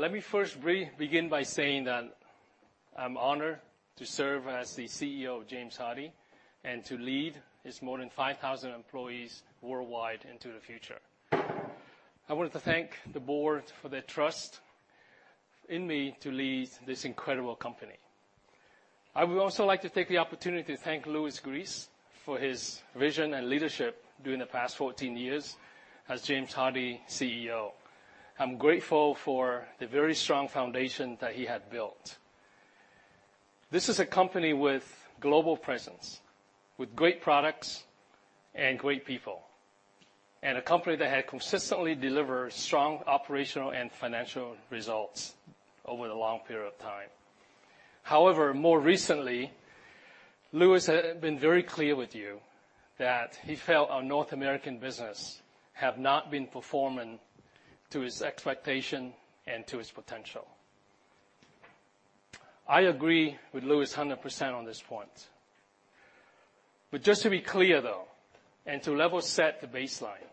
...Let me first begin by saying that I'm honored to serve as the CEO of James Hardie, and to lead its more than 5,000 employees worldwide into the future. I wanted to thank the board for their trust in me to lead this incredible company. I would also like to take the opportunity to thank Louis Gries for his vision and leadership during the past 14 years as James Hardie CEO. I'm grateful for the very strong foundation that he had built. This is a company with global presence, with great products and great people, and a company that had consistently delivered strong operational and financial results over a long period of time. However, more recently, Louis has been very clear with you that he felt our North American business have not been performing to his expectation and to his potential. I agree with Louis 100% on this point, but just to be clear, though, and to level set the baseline,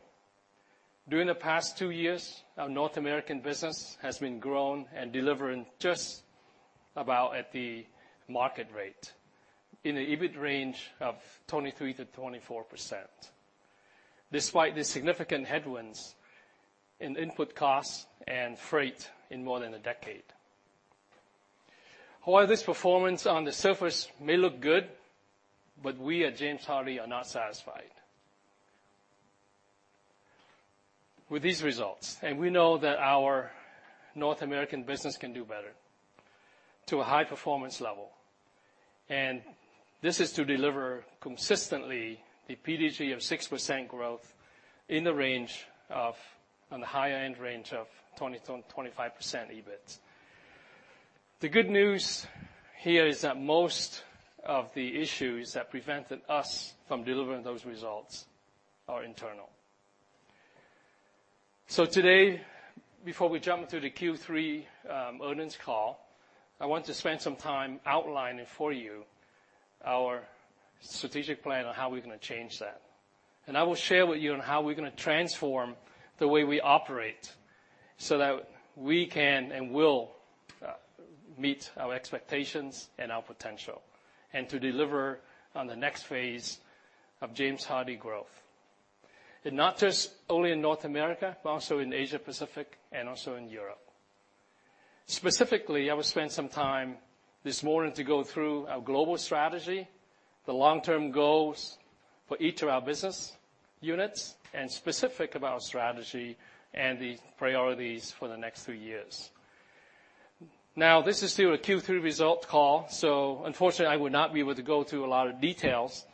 during the past two years, our North American business has been growing and delivering just about at the market rate, in an EBIT range of 23%-24%, despite the significant headwinds in input costs and freight in more than a decade. While this performance on the surface may look good, but we at James Hardie are not satisfied with these results, and we know that our North American business can do better, to a high performance level, and this is to deliver consistently the PDG of 6% growth in the range of... on the higher end range of 20%-25% EBIT. The good news here is that most of the issues that prevented us from delivering those results are internal. Today, before we jump into the Q3 earnings call, I want to spend some time outlining for you our strategic plan on how we're gonna change that. I will share with you on how we're gonna transform the way we operate, so that we can and will meet our expectations and our potential, and to deliver on the next phase of James Hardie growth. Not just only in North America, but also in Asia-Pacific, and also in Europe. Specifically, I will spend some time this morning to go through our global strategy, the long-term goals for each of our business units, and specific about strategy and the priorities for the next two years. Now, this is still a Q3 results call, so unfortunately, I will not be able to go through a lot of details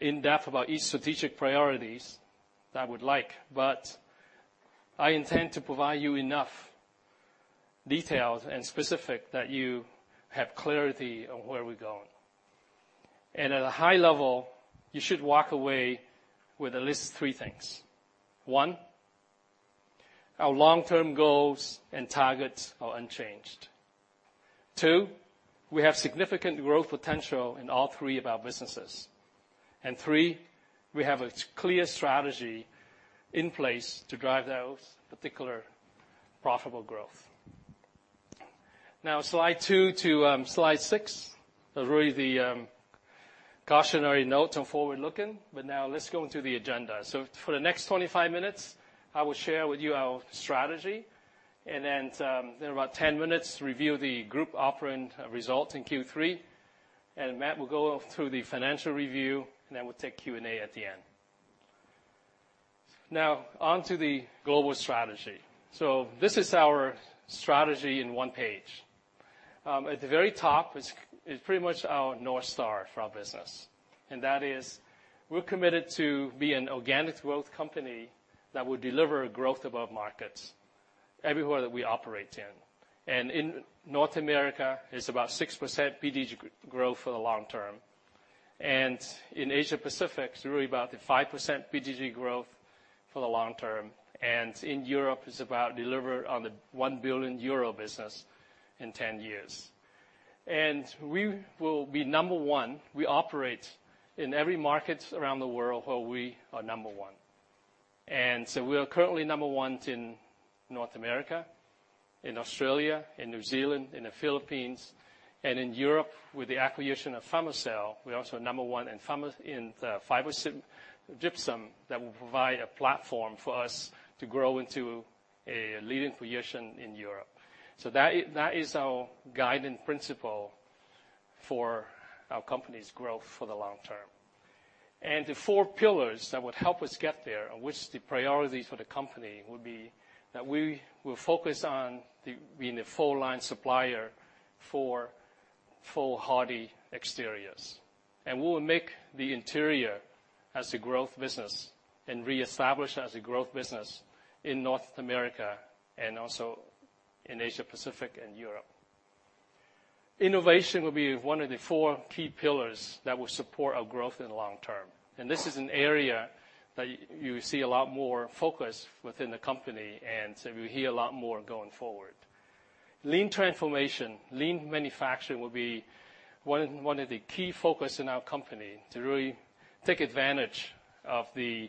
in depth about each strategic priorities that I would like, but I intend to provide you enough details and specifics that you have clarity on where we're going. And at a high level, you should walk away with at least three things. One, our long-term goals and targets are unchanged. Two, we have significant growth potential in all three of our businesses. And three, we have a clear strategy in place to drive those particular profitable growth. Now, slide two to slide six are really the cautionary note on forward-looking, but now let's go into the agenda. So for the next twenty-five minutes, I will share with you our strategy, and then, in about ten minutes, review the group operating results in Q3, and Matt will go through the financial review, and then we'll take Q&A at the end. Now, on to the global strategy. So this is our strategy in one page. At the very top is pretty much our North Star for our business, and that is, we're committed to be an organic growth company that will deliver growth above markets everywhere that we operate in. And in North America, it's about 6% PDG growth for the long term. And in Asia Pacific, it's really about the 5% PDG growth for the long term. And in Europe, it's about deliver on the 1 billion euro business in ten years. And we will be number one. We operate in every market around the world where we are number one. And so we are currently number one in North America, in Australia, in New Zealand, in the Philippines, and in Europe. With the acquisition of Fermacell, we're also number one in fiber gypsum that will provide a platform for us to grow into a leading position in Europe. So that is our guiding principle for our company's growth for the long term. And the four pillars that would help us get there, and which the priority for the company, would be that we will focus on being a full line supplier for full Hardie exteriors. And we will make the interior as a growth business and reestablish as a growth business in North America and also in Asia, Pacific, and Europe. Innovation will be one of the four key pillars that will support our growth in the long term, and this is an area that you see a lot more focus within the company, and so you hear a lot more going forward. Lean transformation, lean manufacturing will be one of the key focus in our company to really take advantage of the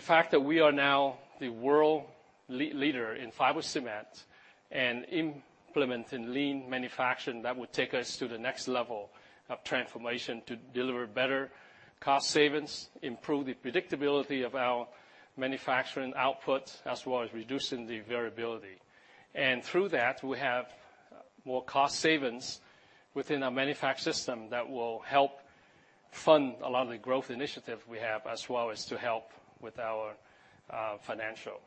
fact that we are now the world leader in fiber cement, and implementing lean manufacturing that would take us to the next level of transformation to deliver better cost savings, improve the predictability of our manufacturing output, as well as reducing the variability. Through that, we have more cost savings within our manufacturing system that will help fund a lot of the growth initiatives we have, as well as to help with our financial.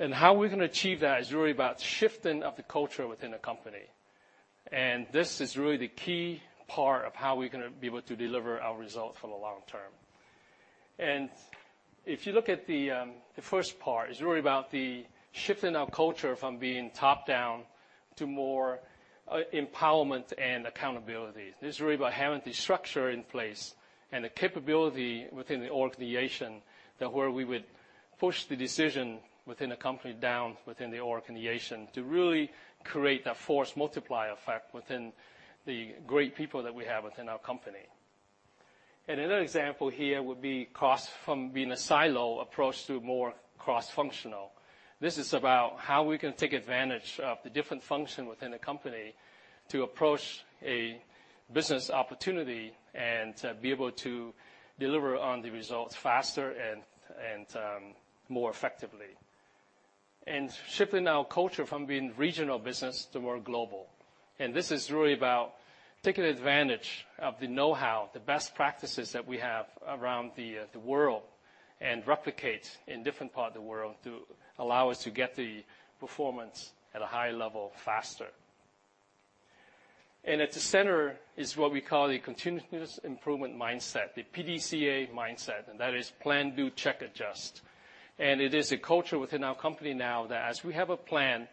And how we're going to achieve that is really about shifting of the culture within the company. And this is really the key part of how we're going to be able to deliver our results for the long term. And if you look at the first part, it's really about the shifting our culture from being top-down to more empowerment and accountability. This is really about having the structure in place and the capability within the organization, that where we would push the decision within the company down within the organization to really create that force multiplier effect within the great people that we have within our company. And another example here would be costs from being a silo approach to more cross-functional. This is about how we can take advantage of the different function within the company to approach a business opportunity, and to be able to deliver on the results faster and more effectively. And shifting our culture from being regional business to more global. And this is really about taking advantage of the know-how, the best practices that we have around the world, and replicate in different parts of the world to allow us to get the performance at a high level faster. And at the center is what we call the continuous improvement mindset, the PDCA mindset, and that is plan, do, check, adjust. And it is a culture within our company now that as we have a plan,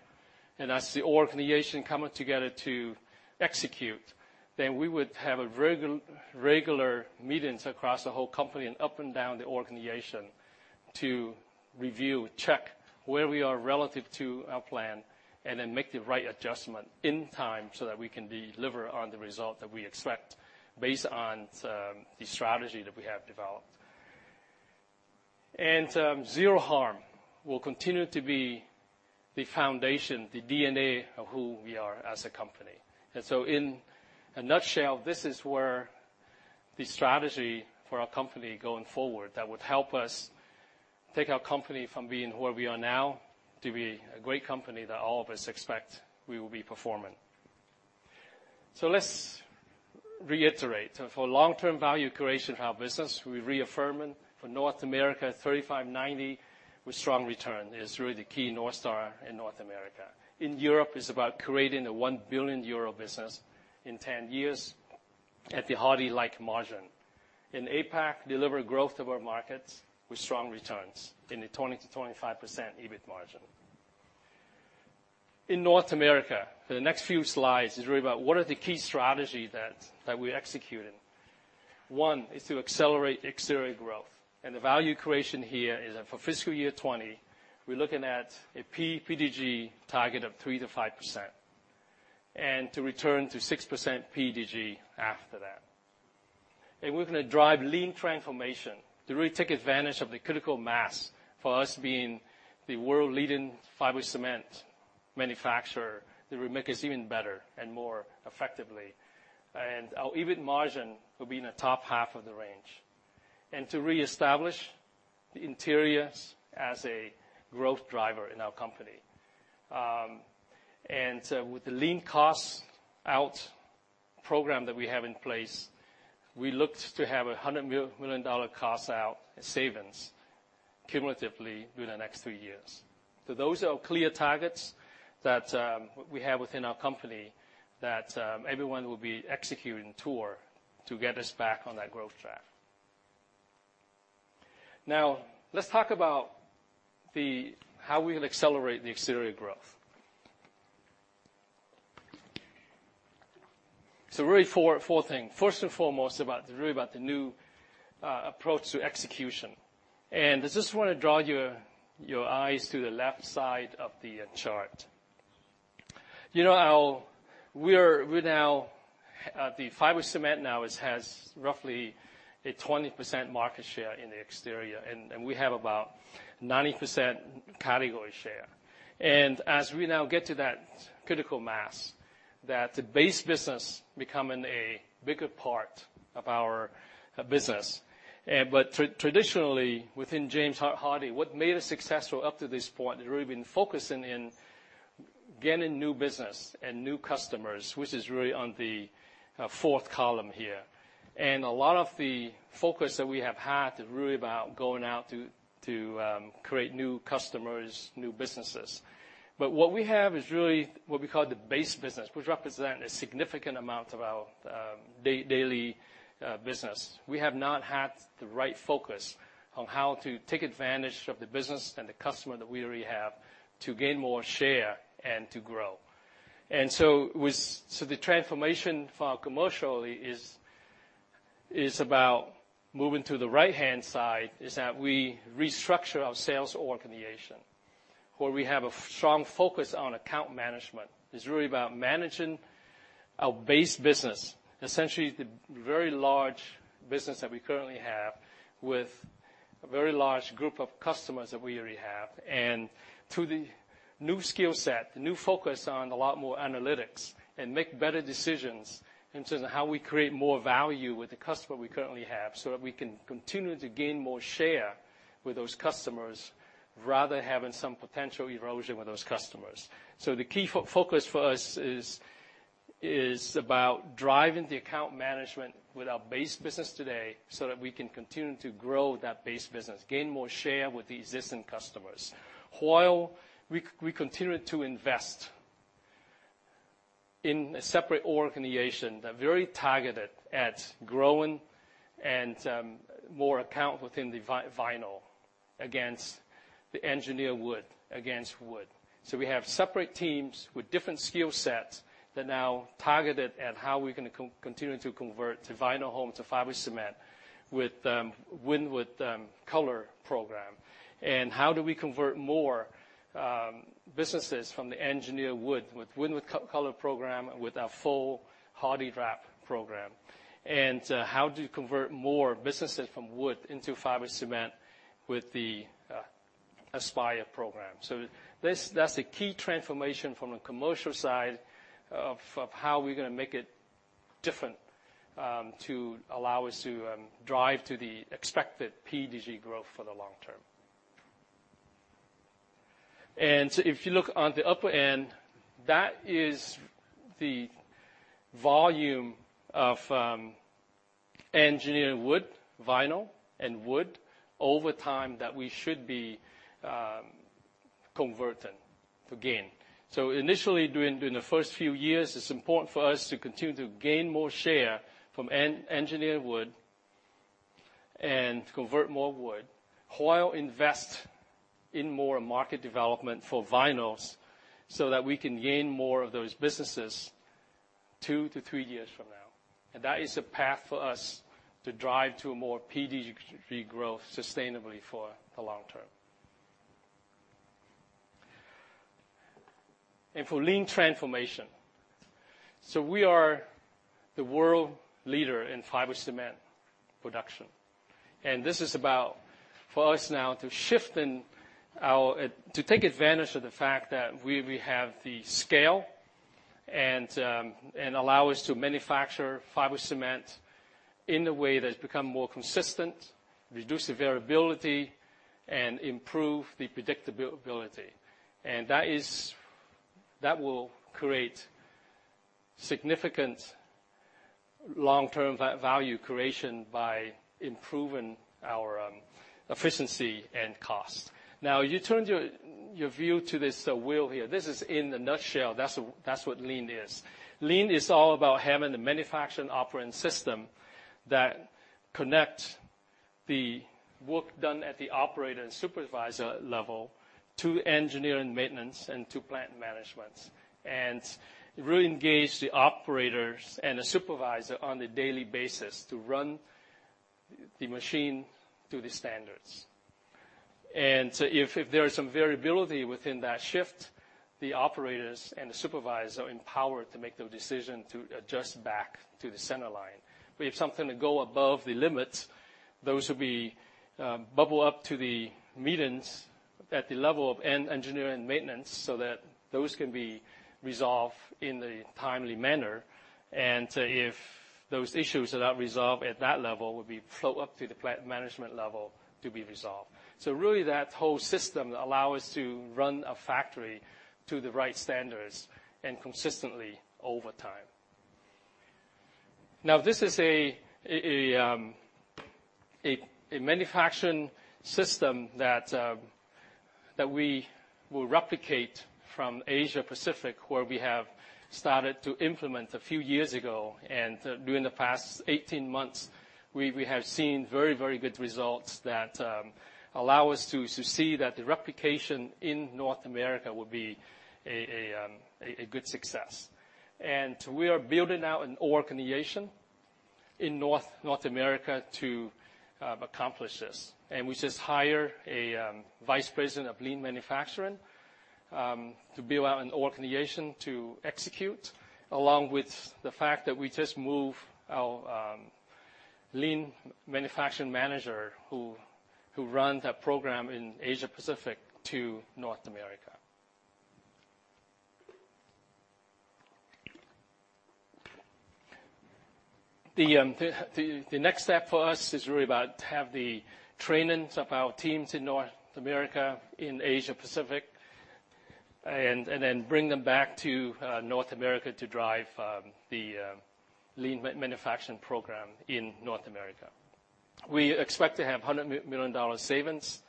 and as the organization coming together to execute, then we would have a very good regular meetings across the whole company and up and down the organization to review, check where we are relative to our plan, and then make the right adjustment in time so that we can deliver on the result that we expect based on the strategy that we have developed. And Zero Harm will continue to be the foundation, the DNA, of who we are as a company. And so in a nutshell, this is where the strategy for our company going forward, that would help us take our company from being where we are now to be a great company that all of us expect we will be performing. So let's reiterate. So for long-term value creation of our business, we're reaffirming for North America, 35.9% with strong return is really the key North Star in North America. In Europe, it's about creating a 1 billion euro business in ten years at the Hardie-like margin. In APAC, deliver growth of our markets with strong returns in the 20%-25% EBIT margin. In North America, the next few slides is really about what are the key strategies that we're executing? One, is to accelerate exterior growth. And the value creation here is that for fiscal year 2020, we're looking at a PPDG target of 3%-5%, and to return to 6% PPDG after that. And we're going to drive lean transformation to really take advantage of the critical mass for us being the world-leading fiber cement manufacturer, that will make us even better and more effectively. And our EBIT margin will be in the top half of the range. And to reestablish interiors as a growth driver in our company. And so with the lean cost out program that we have in place, we look to have $100 million cost out savings cumulatively through the next three years. So those are clear targets that we have within our company, that everyone will be executing toward to get us back on that growth track. Now, let's talk about the how we will accelerate the exterior growth. So really four things. First and foremost, about, really about the new approach to execution. And I just want to draw your eyes to the left side of the chart. You know, we now, the fiber cement now is, has roughly a 20% market share in the exterior, and we have about 90% category share. As we now get to that critical mass, that the base business becoming a bigger part of our business. But traditionally, within James Hardie, what made us successful up to this point is really been focusing in getting new business and new customers, which is really on the fourth column here. And a lot of the focus that we have had is really about going out to create new customers, new businesses. But what we have is really what we call the base business, which represent a significant amount of our daily business. We have not had the right focus on how to take advantage of the business and the customer that we already have to gain more share and to grow. So the transformation for our commercially is about moving to the right-hand side, is that we restructure our sales organization, where we have a strong focus on account management. It's really about managing our base business, essentially, the very large business that we currently have, with a very large group of customers that we already have. And through the new skill set, the new focus on a lot more analytics, and make better decisions in terms of how we create more value with the customer we currently have, so that we can continue to gain more share with those customers, rather than having some potential erosion with those customers. The key focus for us is about driving the account management with our base business today, so that we can continue to grow that base business, gain more share with the existing customers. While we continue to invest in a separate organization that's very targeted at growing and more account within the vinyl, against the engineered wood, against wood. We have separate teams with different skill sets that now targeted at how we're gonna continue to convert vinyl home to fiber cement with Win with Color program. And how do we convert more businesses from the engineered wood with Win with Color program, with our full HardieWrap program? And how do you convert more businesses from wood into fiber cement with the Aspyre program? So that's the key transformation from a commercial side, of how we're gonna make it different, to allow us to drive to the expected PDG growth for the long term. And so if you look on the upper end, that is the volume of engineered wood, vinyl and wood, over time, that we should be converting to gain. So initially, during the first few years, it's important for us to continue to gain more share from engineered wood and convert more wood, while invest in more market development for vinyls, so that we can gain more of those businesses two to three years from now. And that is a path for us to drive to a more PDG growth sustainably for the long term. And for lean transformation. We are the world leader in fiber cement production, and this is about for us now to take advantage of the fact that we have the scale and allow us to manufacture fiber cement in a way that's become more consistent, reduce the variability, and improve the predictability. That will create significant long-term value creation by improving our efficiency and cost. Now you turn your view to this wheel here. This is in a nutshell, that's what lean is. Lean is all about having the manufacturing operating system that connects the work done at the operator and supervisor level to engineering maintenance and to plant management. It really engages the operators and the supervisor on a daily basis to run the machine to the standards. And so if there is some variability within that shift, the operators and the supervisor are empowered to make the decision to adjust back to the center line. We have something to go above the limits, those will bubble up to the meetings at the level of engineering and maintenance, so that those can be resolved in a timely manner, and if those issues are not resolved at that level, will be flow up to the plant management level to be resolved, so really, that whole system allow us to run a factory to the right standards and consistently over time. Now, this is a manufacturing system that we will replicate from Asia Pacific, where we have started to implement a few years ago. During the past eighteen months, we have seen very, very good results that allow us to see that the replication in North America will be a good success. We are building out an organization in North America to accomplish this. We just hire a vice president of lean manufacturing to build out an organization to execute, along with the fact that we just moved our lean manufacturing manager, who run that program in Asia Pacific, to North America. The next step for us is really about to have the trainings of our teams in North America, in Asia Pacific, and then bring them back to North America to drive the lean manufacturing program in North America. We expect to have $100 million dollar savings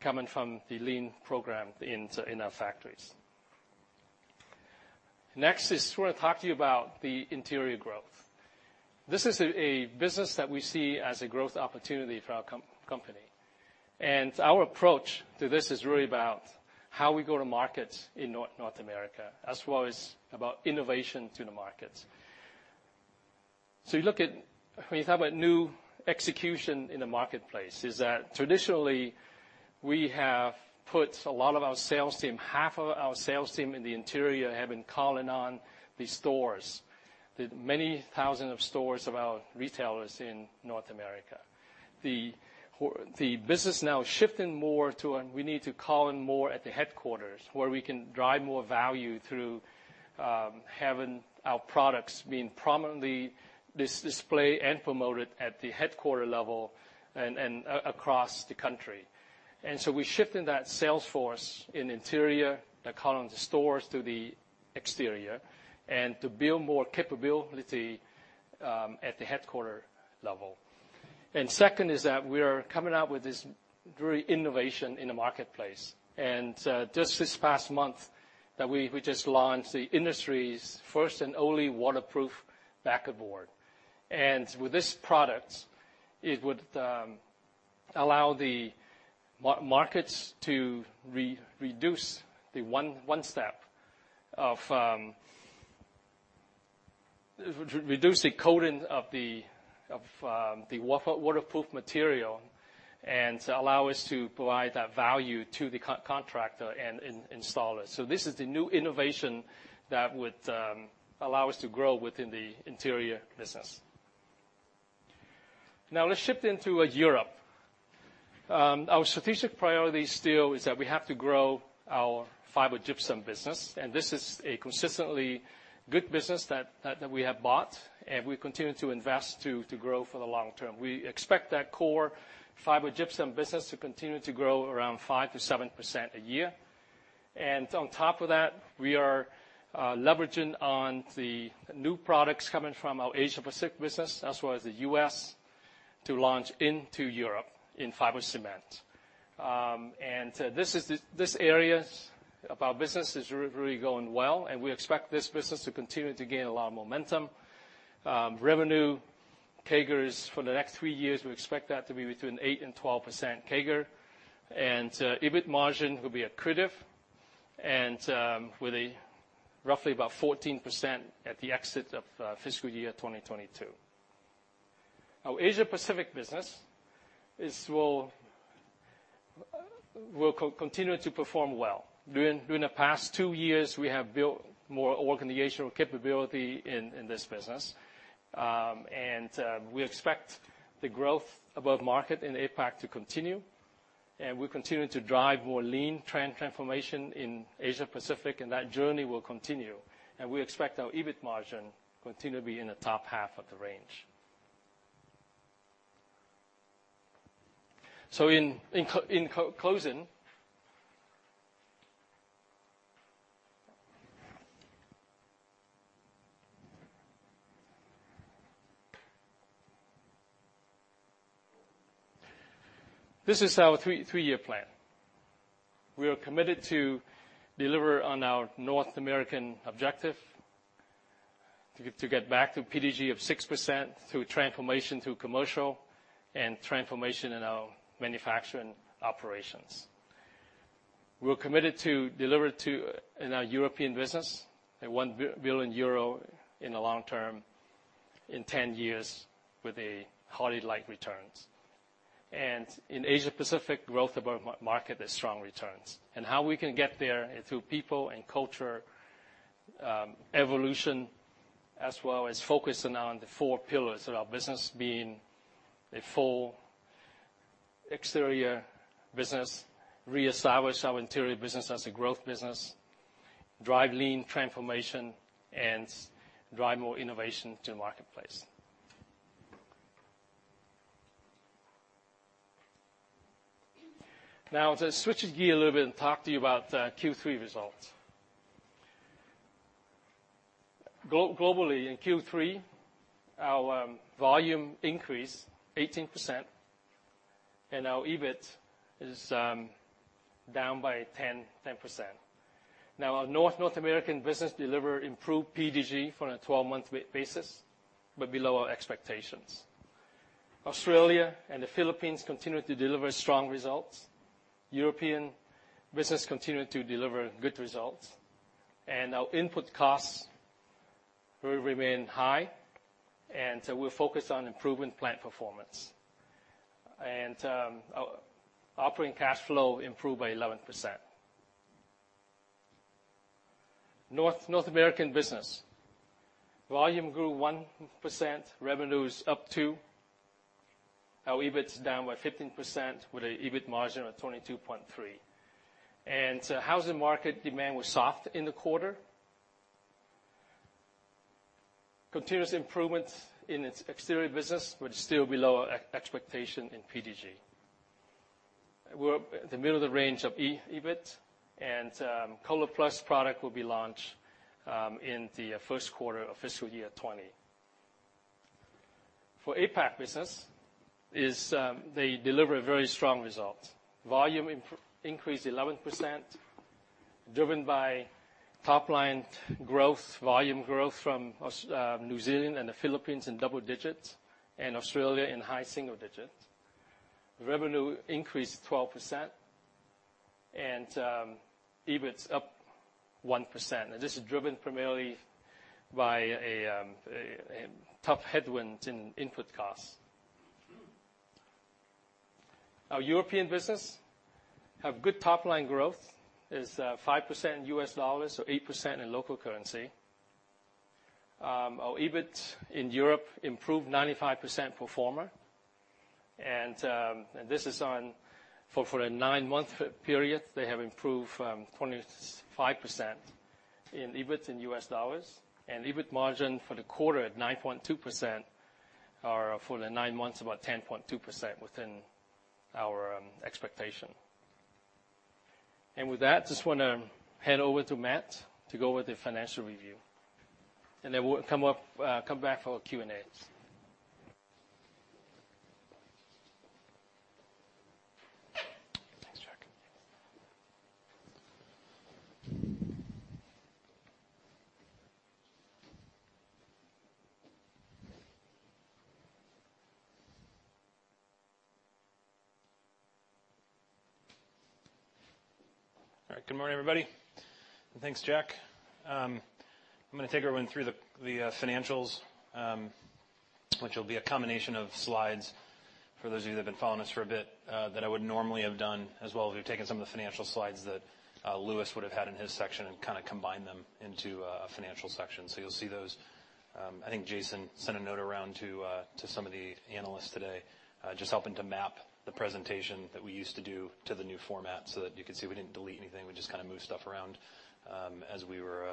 coming from the lean program in our factories. Next, we're gonna talk to you about the interior growth. This is a business that we see as a growth opportunity for our company, and our approach to this is really about how we go to markets in North America, as well as about innovation to the markets. So you look at, when you talk about new execution in the marketplace, traditionally we have put a lot of our sales team, half of our sales team in the interior, calling on the stores, the many thousand of stores of our retailers in North America. The business now is shifting more to, and we need to call on more at the headquarters, where we can drive more value through, having our products being prominently displayed and promoted at the headquarters level and across the country. And so we're shifting that sales force in interior, that call on the stores, to the exterior, and to build more capability at the headquarters level. And second is that we are coming out with this very innovation in the marketplace. And just this past month, that we just launched the industry's first and only waterproof backer board. With this product, it would allow the markets to reduce the one step of reducing the coating of the waterproof material, and allow us to provide that value to the contractor and installer. This is the new innovation that would allow us to grow within the interior business. Now, let's shift into Europe. Our strategic priority still is that we have to grow our fiber gypsum business, and this is a consistently good business that we have bought, and we continue to invest to grow for the long term. We expect that core fiber gypsum business to continue to grow around five to seven% a year. On top of that, we are leveraging on the new products coming from our Asia Pacific business, as well as the U.S., to launch into Europe in fiber cement. And this area of our business is really going well, and we expect this business to continue to gain a lot of momentum. Revenue CAGRs for the next three years, we expect that to be between 8% and 12% CAGR, and EBIT margin will be accretive, and with a roughly about 14% at the exit of fiscal year 2022. Our Asia Pacific business, this will continue to perform well. During the past two years, we have built more organizational capability in this business. We expect the growth above market in APAC to continue, and we continue to drive more lean transformation in Asia Pacific, and that journey will continue. We expect our EBIT margin to continue to be in the top half of the range. In closing, this is our three-year plan. We are committed to deliver on our North American objective, to get back to PDG of 6% through transformation, commercial, and transformation in our manufacturing operations. We are committed to deliver, in our European business, 1 billion euro in the long term, in ten years, with highly like returns. In Asia Pacific, growth above market and strong returns. And how we can get there is through people and culture evolution, as well as focusing on the four pillars of our business being a full exterior business, reestablish our interior business as a growth business, drive lean transformation, and drive more innovation to the marketplace. Now, to switch gear a little bit and talk to you about the Q3 results. Globally, in Q3, our volume increased 18%, and our EBIT is down by 10%. Now, our North American business deliver improved PDG for a twelve-month basis, but below our expectations. Australia and the Philippines continued to deliver strong results. European business continued to deliver good results. And our input costs will remain high, and so we're focused on improving plant performance. And our operating cash flow improved by 11%. North American business. Volume grew 1%, revenue is up 2%. Our EBIT is down by 15%, with an EBIT margin of 22.3%. Housing market demand was soft in the quarter. Continuous improvement in its exterior business, which is still below our expectation in PDG. We're in the middle of the range of EBIT, and ColorPlus product will be launched in the first quarter of fiscal year 2020. For APAC business, they deliver a very strong result. Volume increased 11%.... driven by top line growth, volume growth from Aus, New Zealand and the Philippines in double digits, and Australia in high single digits. Revenue increased 12%, and EBIT's up 1%. Now, this is driven primarily by tough headwinds in input costs. Our European business have good top line growth, is five percent in US dollars, so eight percent in local currency. Our EBIT in Europe improved ninety-five percent performer, and this is on for a nine-month period, they have improved twenty-five percent in EBIT in US dollars, and EBIT margin for the quarter at nine point two percent, are for the nine months, about ten point two percent within our expectation. And with that, just wanna hand over to Matt to go with the financial review, and then we'll come back for Q&As. Thanks, Jack. All right, good morning, everybody, and thanks, Jack. I'm gonna take everyone through the financials, which will be a combination of slides for those of you that have been following us for a bit that I would normally have done, as well as we've taken some of the financial slides that Louis would have had in his section and kinda combined them into a financial section. So you'll see those. I think Jason sent a note around to some of the analysts today just helping to map the presentation that we used to do to the new format so that you could see we didn't delete anything. We just kinda moved stuff around as we were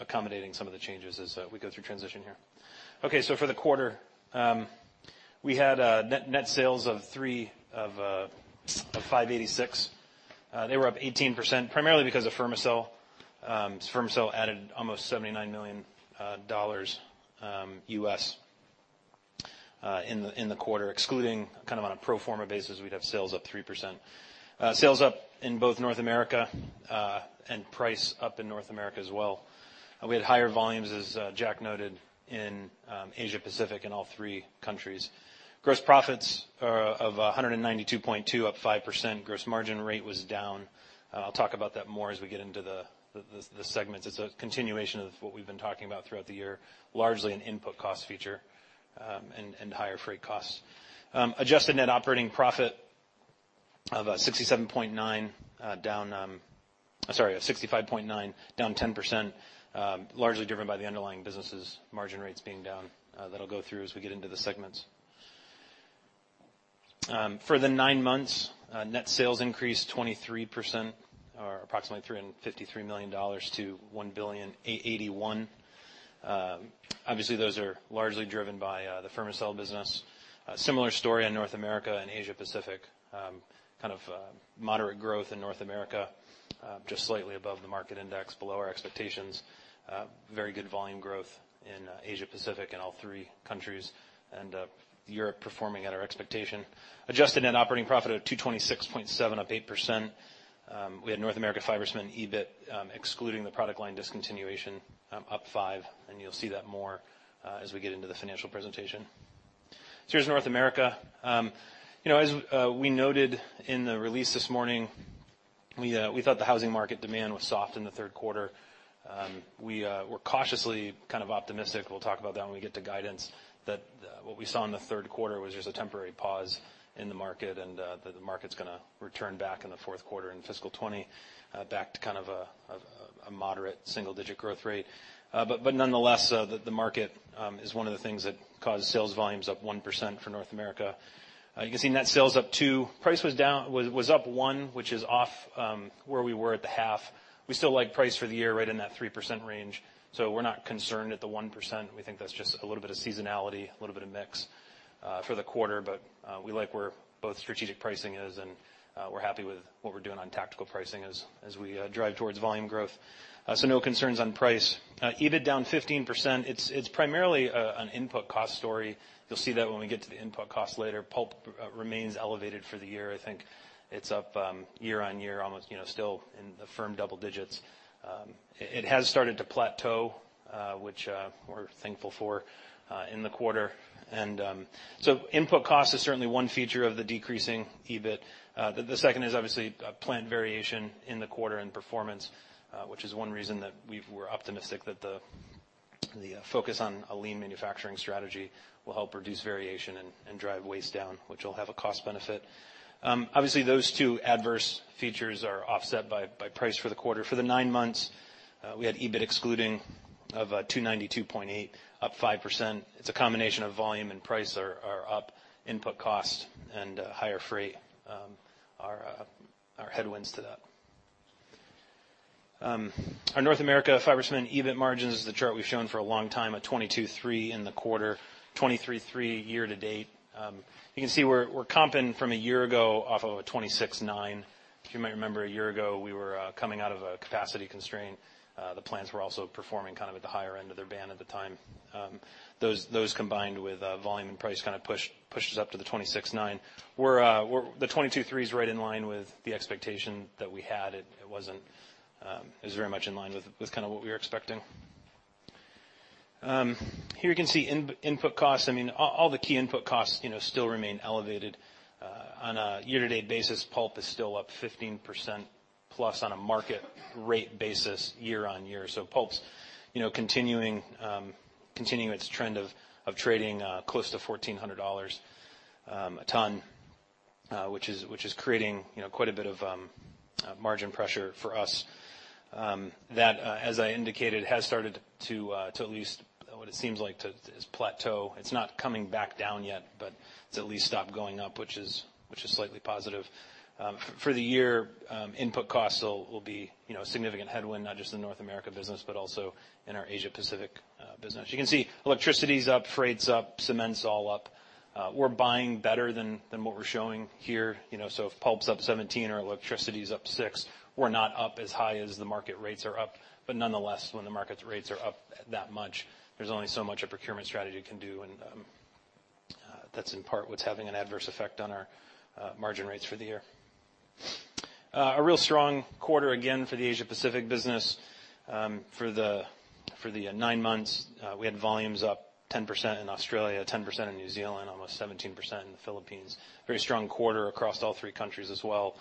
accommodating some of the changes as we go through transition here. Okay, so for the quarter, we had net sales of $305.86 million. They were up 18%, primarily because of Fermacell. Fermacell added almost $79 million USD in the quarter. Excluding, kind of, on a pro forma basis, we'd have sales up 3%. Sales up in both North America and price up in North America as well. And we had higher volumes, as Jack noted, in Asia Pacific in all three countries. Gross profits of $192.2 million, up 5%. Gross margin rate was down. I'll talk about that more as we get into the segments. It's a continuation of what we've been talking about throughout the year, largely an input cost factor, and higher freight costs. Adjusted net operating profit of sixty-seven point nine, down... I'm sorry, sixty-five point nine, down 10%, largely driven by the underlying businesses' margin rates being down. That'll go through as we get into the segments. For the nine months, net sales increased 23%, or approximately $353 million to $1.881 billion. Obviously, those are largely driven by the Fermacell business. Similar story in North America and Asia Pacific. Kind of moderate growth in North America, just slightly above the market index, below our expectations. Very good volume growth in Asia Pacific in all three countries, and Europe performing at our expectation. Adjusted net operating profit of 226.7, up 8%. We had North America fiber cement EBIT, excluding the product line discontinuation, up 5%, and you'll see that more, as we get into the financial presentation. So here's North America. You know, as, we noted in the release this morning, we, we thought the housing market demand was soft in the third quarter. We, we're cautiously kind of optimistic, we'll talk about that when we get to guidance, that, what we saw in the third quarter was just a temporary pause in the market, and, that the market's gonna return back in the fourth quarter in fiscal 2020, back to kind of a moderate single-digit growth rate. But, but nonetheless, the, the market, is one of the things that caused sales volumes up 1% for North America. You can see net sales up 2%. Price was up 1%, which is off where we were at the half. We still like price for the year right in that 3% range, so we're not concerned at the 1%. We think that's just a little bit of seasonality, a little bit of mix for the quarter. But we like where both strategic pricing is, and we're happy with what we're doing on tactical pricing as we drive towards volume growth. So no concerns on price. EBIT down 15%. It's primarily an input cost story. You'll see that when we get to the input cost later. Pulp remains elevated for the year. I think it's up year on year, almost, you know, still in the firm double digits. It has started to plateau, which we're thankful for in the quarter. So input cost is certainly one feature of the decreasing EBIT. The second is obviously plant variation in the quarter and performance, which is one reason that we're optimistic that the focus on a lean manufacturing strategy will help reduce variation and drive waste down, which will have a cost benefit. Obviously, those two adverse features are offset by price for the quarter. For the nine months, we had EBIT excluding of 292.8, up 5%. It's a combination of volume and price are up, input cost, and higher freight are headwinds to that. Our North America fiber cement EBIT margins is the chart we've shown for a long time, at 22.3% in the quarter, 23.3% year to date. You can see we're comping from a year ago off of a 26.9%. You might remember a year ago, we were coming out of a capacity constraint. The plants were also performing kind of at the higher end of their band at the time. Those combined with volume and price kinda pushed up to the 26.9%. We're the 22.3% is right in line with the expectation that we had. It wasn't. It was very much in line with kinda what we were expecting. Here you can see input costs. I mean, all the key input costs, you know, still remain elevated. On a year-to-date basis, pulp is still up 15% plus on a market rate basis, year on year. So pulp's, you know, continuing its trend of trading close to $1,400 a ton, which is creating, you know, quite a bit of margin pressure for us. That, as I indicated, has started to at least, what it seems like, plateau. It's not coming back down yet, but it's at least stopped going up, which is slightly positive. For the year, input costs will be, you know, a significant headwind, not just in North America business, but also in our Asia Pacific business. You can see electricity is up, freight's up, cement's all up. We're buying better than what we're showing here, you know. So if pulp's up 17%, our electricity is up 6%. We're not up as high as the market rates are up, but nonetheless, when the market rates are up that much, there's only so much a procurement strategy can do, and that's in part what's having an adverse effect on our margin rates for the year. A real strong quarter, again, for the Asia Pacific business. For the nine months, we had volumes up 10% in Australia, 10% in New Zealand, almost 17% in the Philippines. Very strong quarter across all three countries as well.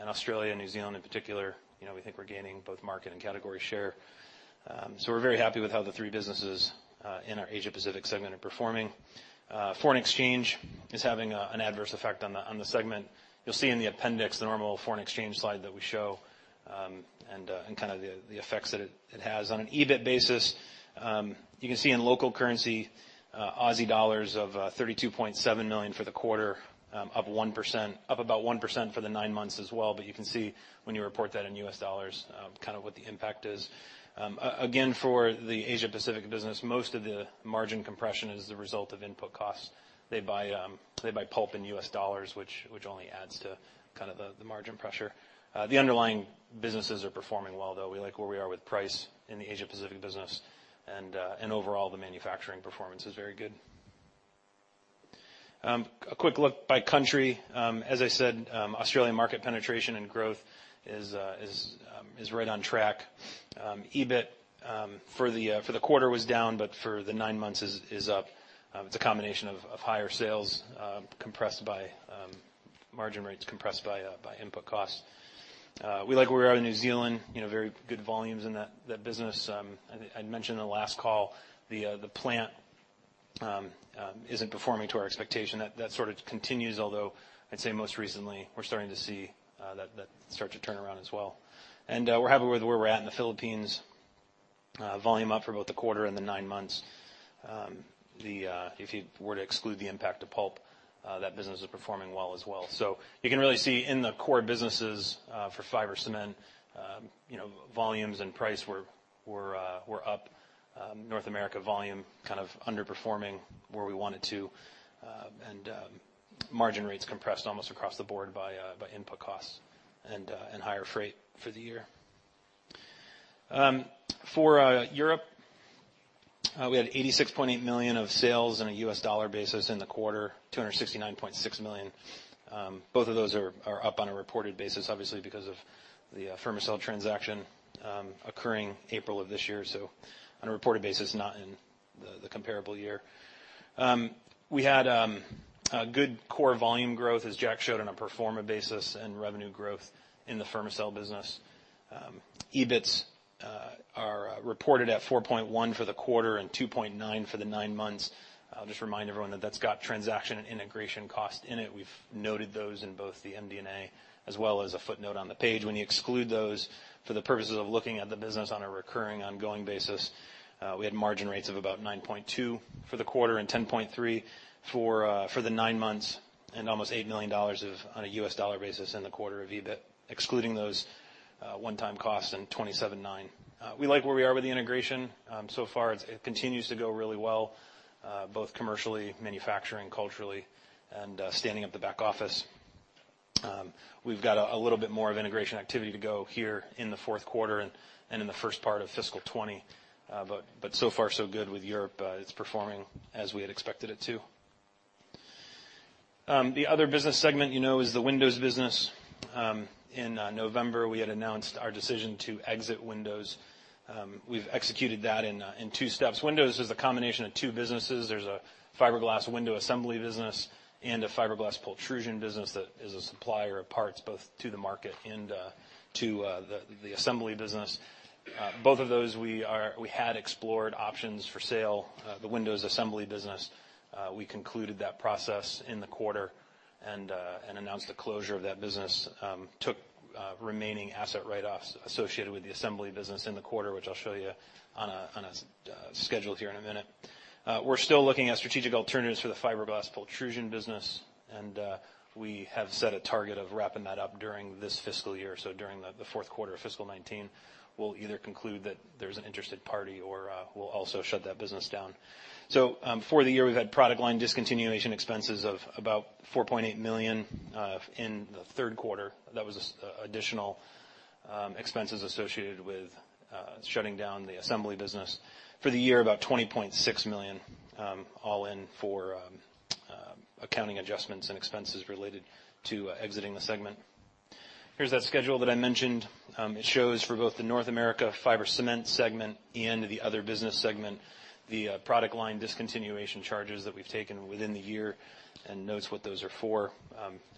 In Australia and New Zealand, in particular, you know, we think we're gaining both market and category share. So we're very happy with how the three businesses in our Asia Pacific segment are performing. Foreign exchange is having an adverse effect on the segment. You'll see in the appendix, the normal foreign exchange slide that we show, and kind of the effects that it has. On an EBIT basis, you can see in local currency, 32.7 million Aussie dollars for the quarter, up 1%, up about 1% for the nine months as well, but you can see when you report that in US dollars, kind of what the impact is. Again, for the Asia Pacific business, most of the margin compression is the result of input costs. They buy pulp in US dollars, which only adds to kind of the margin pressure. The underlying businesses are performing well, though. We like where we are with price in the Asia Pacific business, and overall, the manufacturing performance is very good. A quick look by country. As I said, Australian market penetration and growth is right on track. EBIT for the quarter was down, but for the nine months is up. It's a combination of higher sales compressed by margin rates compressed by input costs. We like where we are in New Zealand, you know, very good volumes in that business. I'd mentioned in the last call, the plant isn't performing to our expectation. That sort of continues, although I'd say most recently, we're starting to see that start to turn around as well. We're happy with where we're at in the Philippines. Volume up for both the quarter and the nine months. If you were to exclude the impact of pulp, that business is performing well as well. So you can really see in the core businesses for fiber cement, you know, volumes and price were up. North America volume kind of underperforming where we want it to, and margin rates compressed almost across the board by input costs and higher freight for the year. For Europe, we had $86.8 million of sales on a US dollar basis in the quarter, $269.6 million. Both of those are up on a reported basis, obviously, because of the Fermacell transaction occurring April of this year, so on a reported basis, not in the comparable year. We had a good core volume growth, as Jack showed, on a pro forma basis, and revenue growth in the Fermacell business. EBIT is reported at 4.1 for the quarter and 2.9 for the nine months. I'll just remind everyone that that's got transaction and integration cost in it. We've noted those in both the MD&A as well as a footnote on the page. When you exclude those for the purposes of looking at the business on a recurring, ongoing basis, we had margin rates of about 9.2% for the quarter and 10.3% for the nine months, and almost $8 million on a US dollar basis in the quarter of EBIT, excluding those one-time costs and 27.9. We like where we are with the integration. So far, it continues to go really well, both commercially, manufacturing, culturally, and standing up the back office. We've got a little bit more of integration activity to go here in the fourth quarter and in the first part of fiscal 2020. But so far, so good with Europe. It's performing as we had expected it to. The other business segment you know is the windows business. In November, we had announced our decision to exit windows. We've executed that in two steps. Windows is a combination of two businesses. There's a fiberglass window assembly business and a fiberglass pultrusion business that is a supplier of parts, both to the market and to the assembly business. Both of those we had explored options for sale. The windows assembly business, we concluded that process in the quarter and announced the closure of that business. Took remaining asset write-offs associated with the assembly business in the quarter, which I'll show you on a schedule here in a minute. We're still looking at strategic alternatives for the fiberglass pultrusion business, and we have set a target of wrapping that up during this fiscal year, so during the fourth quarter of fiscal 2019, we'll either conclude that there's an interested party or we'll also shut that business down. For the year, we've had product line discontinuation expenses of about $4.8 million in the third quarter. That was additional expenses associated with shutting down the assembly business. For the year, about $20.6 million, all in for accounting adjustments and expenses related to exiting the segment. Here's that schedule that I mentioned. It shows for both the North America Fiber Cement segment and the Other Business segment, the product line discontinuation charges that we've taken within the year, and notes what those are for.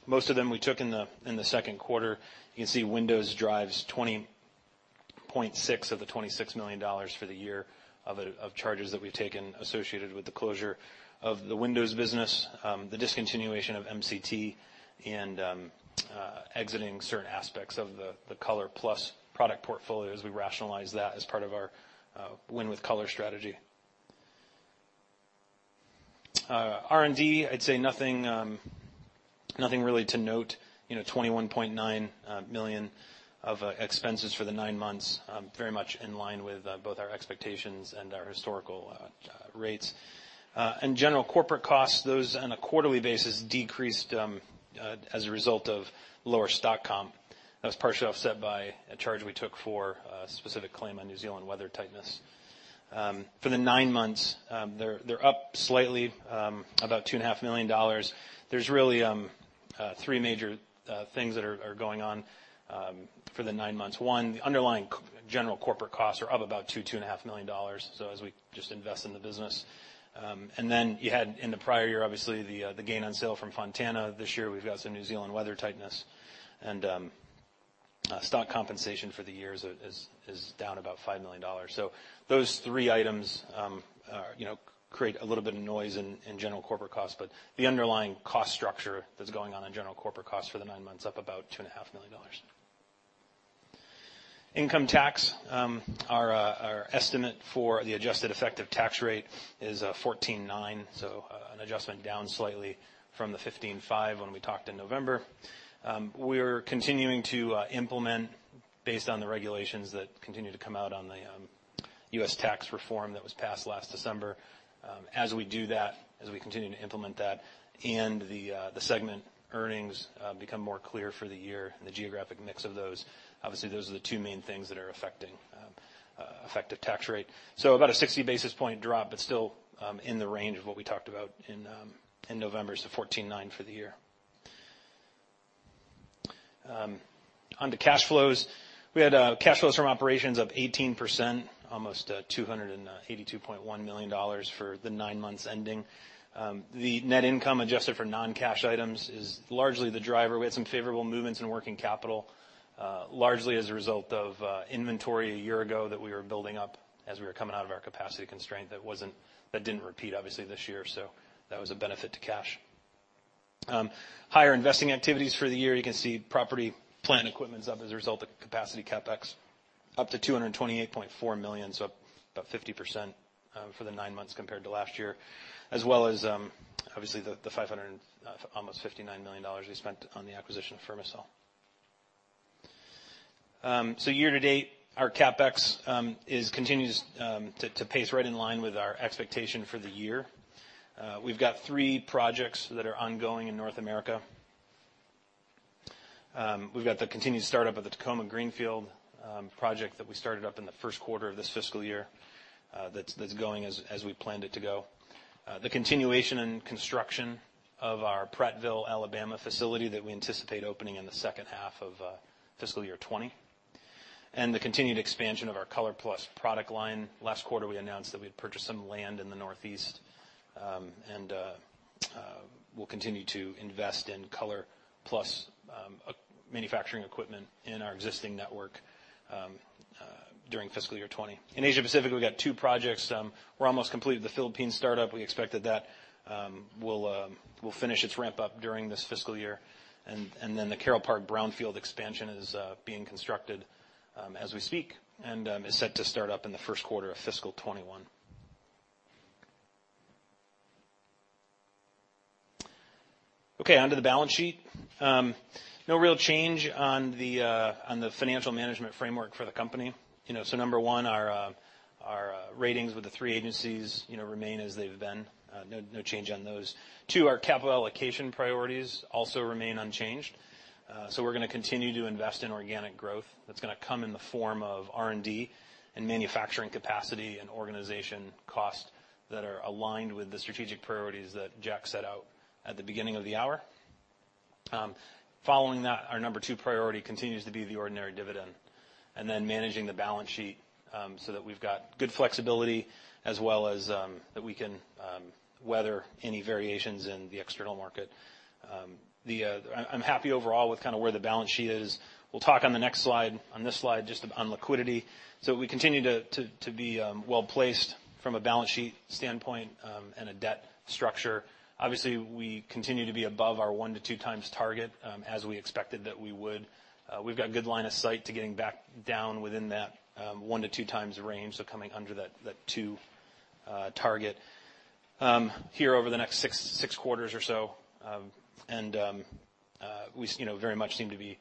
Most of them, we took in the second quarter. You can see Windows drives $20.6 of the $26 million for the year of charges that we've taken associated with the closure of the Windows business, the discontinuation of MCT, and exiting certain aspects of the ColorPlus product portfolio as we rationalize that as part of our Win with Color strategy. R&D, I'd say nothing, nothing really to note. You know, $21.9 million of expenses for the nine months, very much in line with both our expectations and our historical rates. And general corporate costs, those on a quarterly basis, decreased as a result of lower stock comp. That was partially offset by a charge we took for a specific claim on New Zealand weather tightness. For the nine months, they're up slightly, about $2.5 million. There's really three major things that are going on for the nine months. One, the underlying general corporate costs are up about $2, $2.5 million, so as we just invest in the business. And then you had in the prior year, obviously, the gain on sale from Fontana. This year, we've got some New Zealand weather tightness, and stock compensation for the year is down about $5 million. So those three items are, you know, create a little bit of noise in general corporate costs, but the underlying cost structure that's going on in general corporate costs for the nine months, up about $2.5 million. Income tax, our estimate for the adjusted effective tax rate is 14.9%, so an adjustment down slightly from the 15.5% when we talked in November. We're continuing to implement based on the regulations that continue to come out on the U.S. tax reform that was passed last December. As we do that, as we continue to implement that, and the segment earnings become more clear for the year and the geographic mix of those, obviously, those are the two main things that are affecting effective tax rate. About a 60 basis point drop, but still, in the range of what we talked about in November, so 14.9 for the year. On to cash flows. We had cash flows from operations up 18%, almost $282.1 million for the nine months ending. The net income adjusted for non-cash items is largely the driver. We had some favorable movements in working capital, largely as a result of inventory a year ago that we were building up as we were coming out of our capacity constraint that didn't repeat, obviously, this year, so that was a benefit to cash. Higher investing activities for the year. You can see property, plant, and equipment's up as a result of capacity CapEx up to $228.4 million, so up about 50% for the nine months compared to last year, as well as obviously the almost $59 million we spent on the acquisition of Fermacell. So year to date, our CapEx continues to pace right in line with our expectation for the year. We've got three projects that are ongoing in North America. We've got the continued startup of the Tacoma greenfield project that we started up in the first quarter of this fiscal year. That's going as we planned it to go. The continuation and construction of our Prattville, Alabama, facility that we anticipate opening in the second half of fiscal year 2020, and the continued expansion of our Color Plus product line. Last quarter, we announced that we'd purchased some land in the Northeast, and we'll continue to invest in Color Plus manufacturing equipment in our existing network during fiscal year 2020. In Asia Pacific, we've got two projects. We're almost complete with the Philippine startup. We expect that will finish its ramp-up during this fiscal year. And then the Carole Park brownfield expansion is being constructed as we speak, and is set to start up in the first quarter of fiscal 2021. Okay, onto the balance sheet. No real change on the financial management framework for the company. You know, so number one, our ratings with the three agencies, you know, remain as they've been. No change on those. Two, our capital allocation priorities also remain unchanged. So we're gonna continue to invest in organic growth. That's gonna come in the form of R&D and manufacturing capacity and organization costs that are aligned with the strategic priorities that Jack set out at the beginning of the hour. Following that, our number two priority continues to be the ordinary dividend, and then managing the balance sheet, so that we've got good flexibility, as well as that we can weather any variations in the external market. I'm happy overall with kind of where the balance sheet is. We'll talk on the next slide, on this slide, just on liquidity. So we continue to be well-placed from a balance sheet standpoint and a debt structure. Obviously, we continue to be above our one to two times target, as we expected that we would. We've got good line of sight to getting back down within that one to two times range, so coming under that two target here over the next six quarters or so. And we seem you know, very much seem to be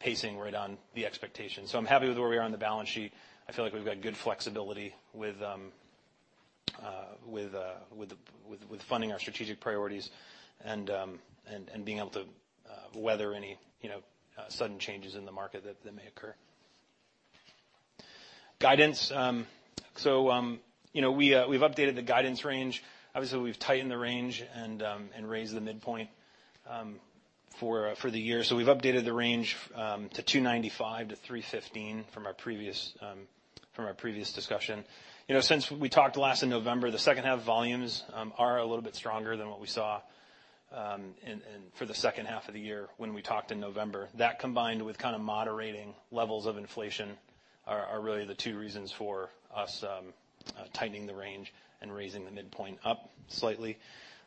pacing right on the expectations. So I'm happy with where we are on the balance sheet. I feel like we've got good flexibility with funding our strategic priorities and being able to weather any you know, sudden changes in the market that may occur. Guidance. So, you know, we've updated the guidance range. Obviously, we've tightened the range and raised the midpoint for the year. So we've updated the range to $295 million-$315 million from our previous discussion. You know, since we talked last in November, the second half volumes are a little bit stronger than what we saw for the second half of the year when we talked in November. That, combined with kind of moderating levels of inflation, are really the two reasons for us tightening the range and raising the midpoint up slightly.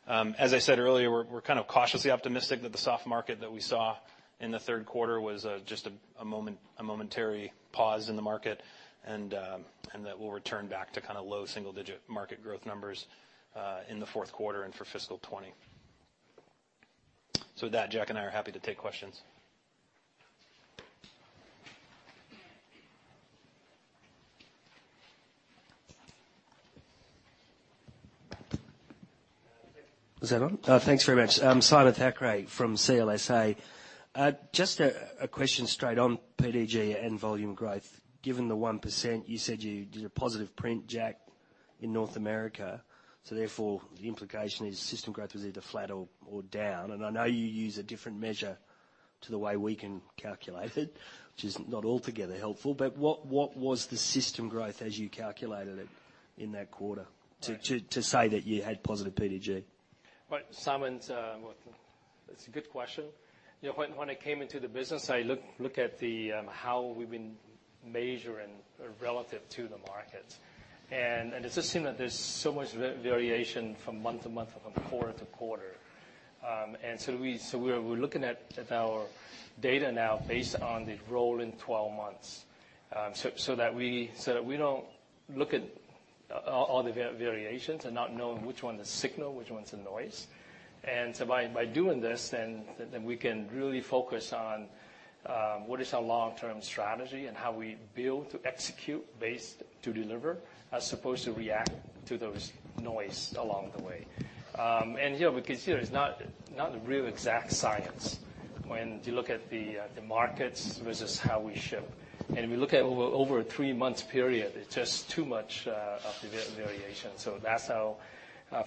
As I said earlier, we're kind of cautiously optimistic that the soft market that we saw in the third quarter was just a momentary pause in the market, and that we'll return back to kind of low single-digit market growth numbers in the fourth quarter and for fiscal 2020. With that, Jack and I are happy to take questions. Is that on? Thanks very much. I'm Simon Thackray from CLSA. Just a question straight on PDG and volume growth. Given the 1%, you said you did a positive print, Jack, in North America, so therefore, the implication is system growth was either flat or down. And I know you use a different measure to the way we can calculate it, which is not altogether helpful, but what was the system growth as you calculated it in that quarter? Right... to say that you had positive PDG? Right. Simon, well, that's a good question. You know, when I came into the business, I looked at how we've been measuring relative to the market. And it's just seen that there's so much variation from month to month, from quarter to quarter. So we're looking at our data now based on the rolling twelve months, so that we don't look at all the variations and not knowing which one is signal, which one's the noise. So by doing this, then we can really focus on what is our long-term strategy and how we build to execute, based to deliver, as opposed to react to those noise along the way. And, you know, we can see it's not a real exact science when you look at the markets versus how we ship. And we look at over a three-month period, it's just too much of variation. So that's how,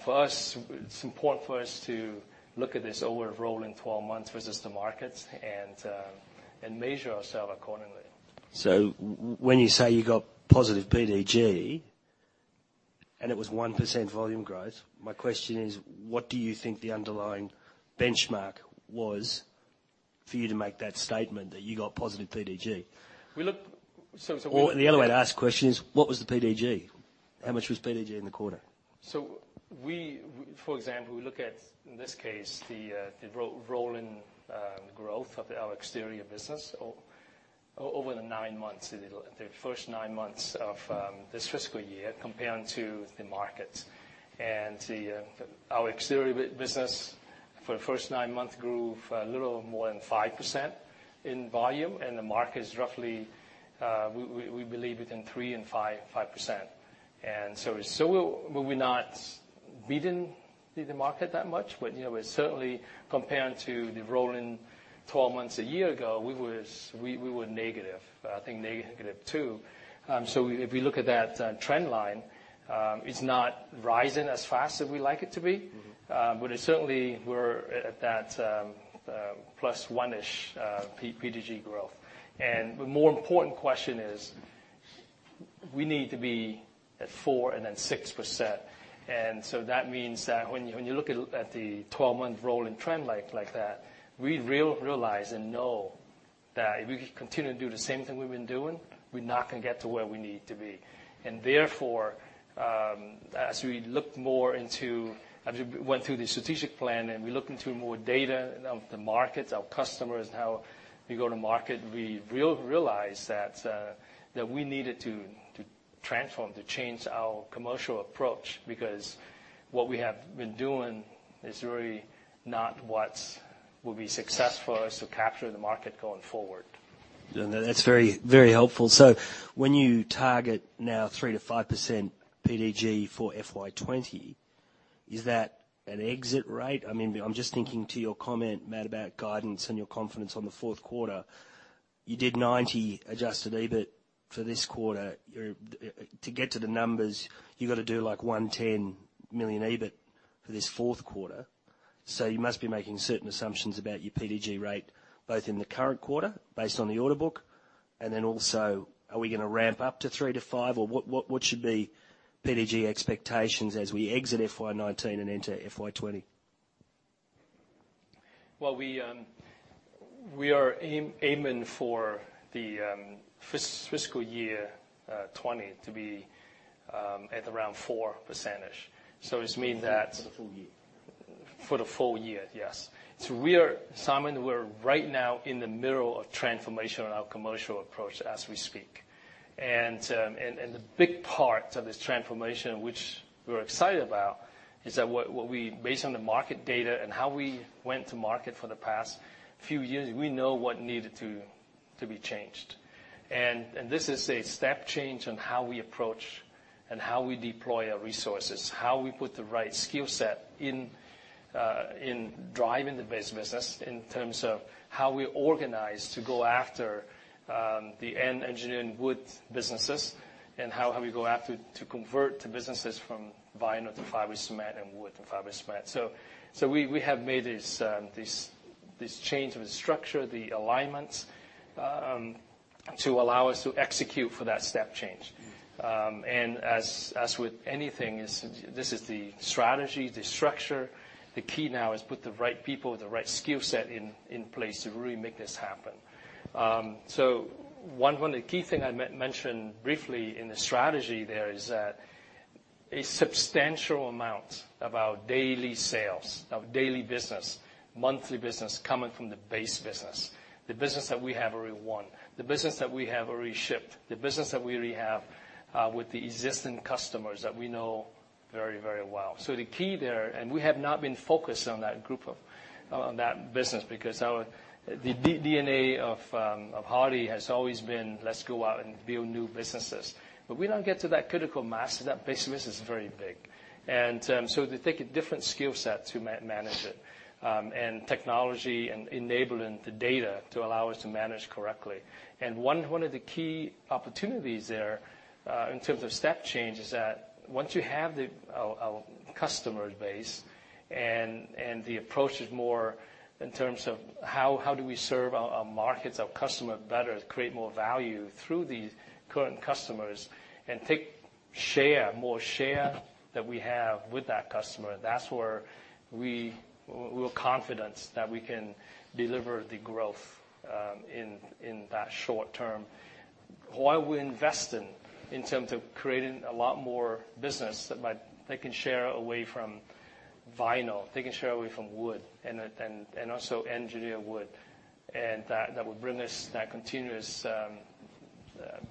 for us, it's important for us to look at this over a rolling twelve months versus the markets, and measure ourselves accordingly. So when you say you got positive PDG, and it was 1% volume growth, my question is: What do you think the underlying benchmark was for you to make that statement that you got positive PDG? We look so. Or the other way to ask the question is, what was the PDG? How much was PDG in the quarter? So, for example, we look at, in this case, the rolling growth of our exterior business over the nine months, the first nine months of this fiscal year comparing to the market. And our exterior business for the first nine months grew a little more than 5% in volume, and the market is roughly, we believe, within 3% and 5%. And so we're not beating the market that much, but, you know, we're certainly comparing to the rolling 12 months a year ago, we were negative, I think negative 2%. So if we look at that trend line, it's not rising as fast as we like it to be. Mm-hmm. But it's certainly we're at that plus one-ish PDG growth. And the more important question is we need to be at 4% and then 6%. And so that means that when you look at the 12-month rolling trend like that, we realize and know that if we continue to do the same thing we've been doing, we're not gonna get to where we need to be. And therefore, as we went through the strategic plan and we look into more data of the markets, our customers, and how we go to market, we realize that that we needed to transform, to change our commercial approach, because what we have been doing is really not what will be successful as to capture the market going forward. And that's very, very helpful. So when you target now 3-5% PDG for FY 2020, is that an exit rate? I mean, I'm just thinking to your comment, Matt, about guidance and your confidence on the fourth quarter. You did 90 adjusted EBIT for this quarter. You're... To get to the numbers, you've got to do, like, 110 million EBIT for this fourth quarter. So you must be making certain assumptions about your PDG rate, both in the current quarter, based on the order book, and then also, are we gonna ramp up to 3-5, or what, what, what should be PDG expectations as we exit FY 2019 and enter FY 2020? We are aiming for the fiscal year 2020 to be at around 4%. So it's mean that- For the full year. For the full year, yes. So we are, Simon, we're right now in the middle of transformation on our commercial approach as we speak. And the big part of this transformation, which we're excited about, is that, based on the market data and how we went to market for the past few years, we know what needed to be changed. And this is a step change on how we approach and how we deploy our resources, how we put the right skill set in driving the base business, in terms of how we organize to go after the engineered wood businesses, and how we go after to convert to businesses from vinyl to fiber cement and wood and fiber cement. So we have made this change of the structure, the alignments, to allow us to execute for that step change. And as with anything, this is the strategy, the structure. The key now is put the right people with the right skill set in place to really make this happen. So one of the key thing I mentioned briefly in the strategy there, is that a substantial amount of our daily sales, of daily business, monthly business, coming from the base business, the business that we have already won, the business that we have already shipped, the business that we already have, with the existing customers that we know very, very well. So the key there, and we have not been focused on that group of, on that business, because our DNA of Hardie has always been, "Let's go out and build new businesses." But we don't get to that critical mass, that base business is very big. And so they take a different skill set to manage it. And technology and enabling the data to allow us to manage correctly. And one of the key opportunities there, in terms of step change, is that once you have a customer base, and the approach is more in terms of how do we serve our markets, our customer better, create more value through these current customers, and take share, more share that we have with that customer, that's where we're confident that we can deliver the growth in that short term. While we're investing, in terms of creating a lot more business that might taking share away from vinyl, taking share away from wood, and then and also engineered wood. And that would bring us that continuous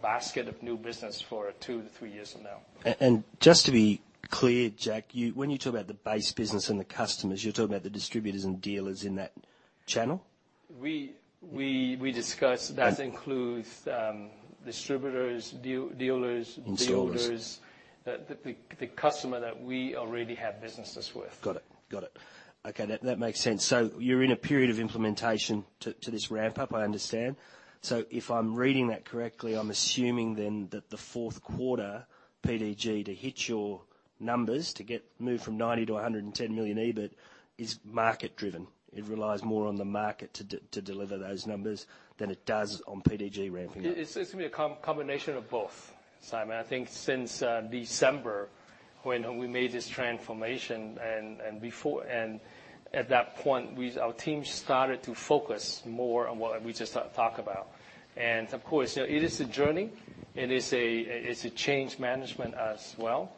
basket of new business for two to three years from now. And just to be clear, Jack, when you talk about the base business and the customers, you're talking about the distributors and dealers in that channel? We discuss that includes distributors, dealers. Installers... builders, the customer that we already have businesses with. Got it. Got it. Okay, that, that makes sense. So you're in a period of implementation to this ramp up, I understand. So if I'm reading that correctly, I'm assuming then that the fourth quarter PDG, to hit your numbers, to get moved from $90 million to $110 million EBIT, is market driven. It relies more on the market to deliver those numbers than it does on PDG ramping up. It's gonna be a combination of both, Simon. I think since December, when we made this transformation, and before, and at that point, our team started to focus more on what we just talked about. And of course, you know, it is a journey, it's a change management as well.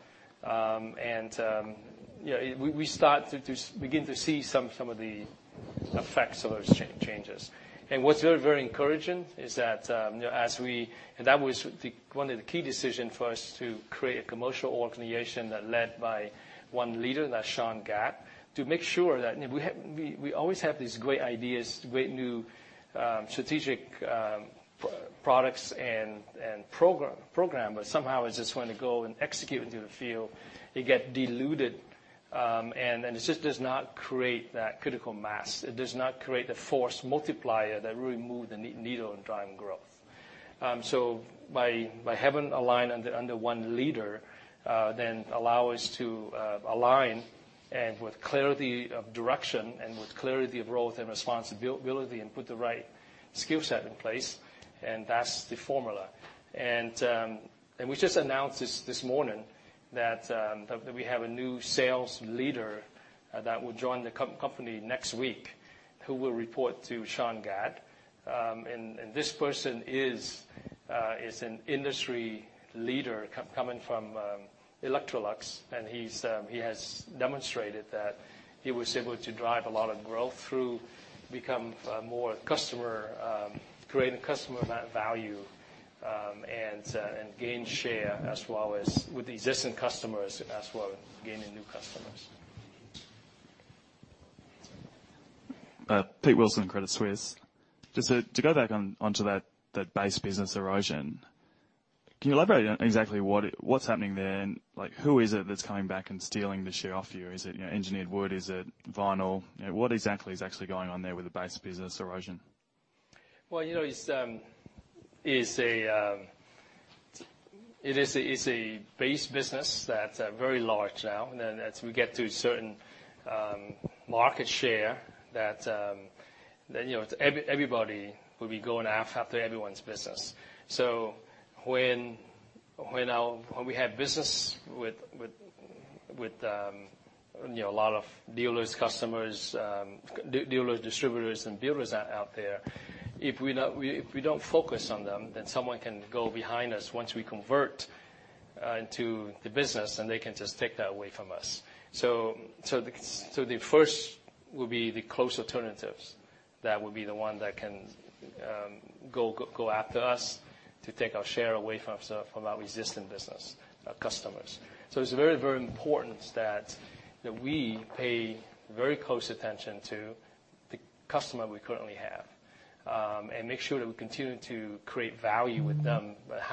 You know, we start to begin to see some of the effects of those changes. And what's very encouraging is that you know, and that was one of the key decisions for us to create a commercial organization led by one leader, Sean Gadd, to make sure that we always have these great ideas, great new strategic products and program. But somehow, it's just when they go and execute into the field, they get diluted, and it just does not create that critical mass. It does not create the force multiplier that really move the needle in driving growth. So by having aligned under one leader, then allow us to align, and with clarity of direction and with clarity of role and responsibility, and put the right skill set in place, and that's the formula and we just announced this morning that we have a new sales leader that will join the company next week, who will report to Sean Gadd. This person is an industry leader coming from Electrolux, and he has demonstrated that he was able to drive a lot of growth through becoming more customer, creating customer value, and gain share, as well as with existing customers, as well as gaining new customers. Peter Wilson, Credit Suisse. Just to go back onto that base business erosion, can you elaborate on exactly what's happening there? And, like, who is it that's coming back and stealing the share off you? Is it, you know, engineered wood? Is it vinyl? You know, what exactly is actually going on there with the base business erosion? Well, you know, it's a base business that's very large now. And then as we get to a certain market share, that you know everybody will be going after everyone's business. So when we have business with you know a lot of dealers, customers, dealers, distributors and builders out there, if we don't focus on them, then someone can go behind us once we convert into the business, and they can just take that away from us. So the first will be the close alternatives. That would be the one that can go after us, to take our share away from our existing business, our customers. It's very, very important that we pay very close attention to the customer we currently have, and make sure that we continue to create value with them. But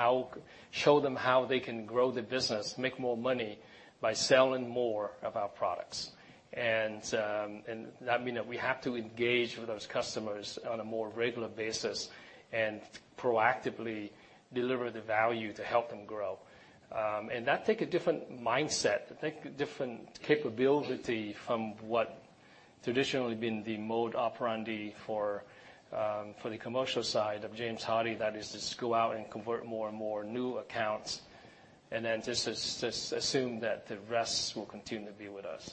show them how they can grow the business, make more money by selling more of our products. And that mean that we have to engage with those customers on a more regular basis and proactively deliver the value to help them grow. And that take a different mindset, it take a different capability from what traditionally been the modus operandi for the commercial side of James Hardie, that is, just go out and convert more and more new accounts, and then just assume that the rest will continue to be with us.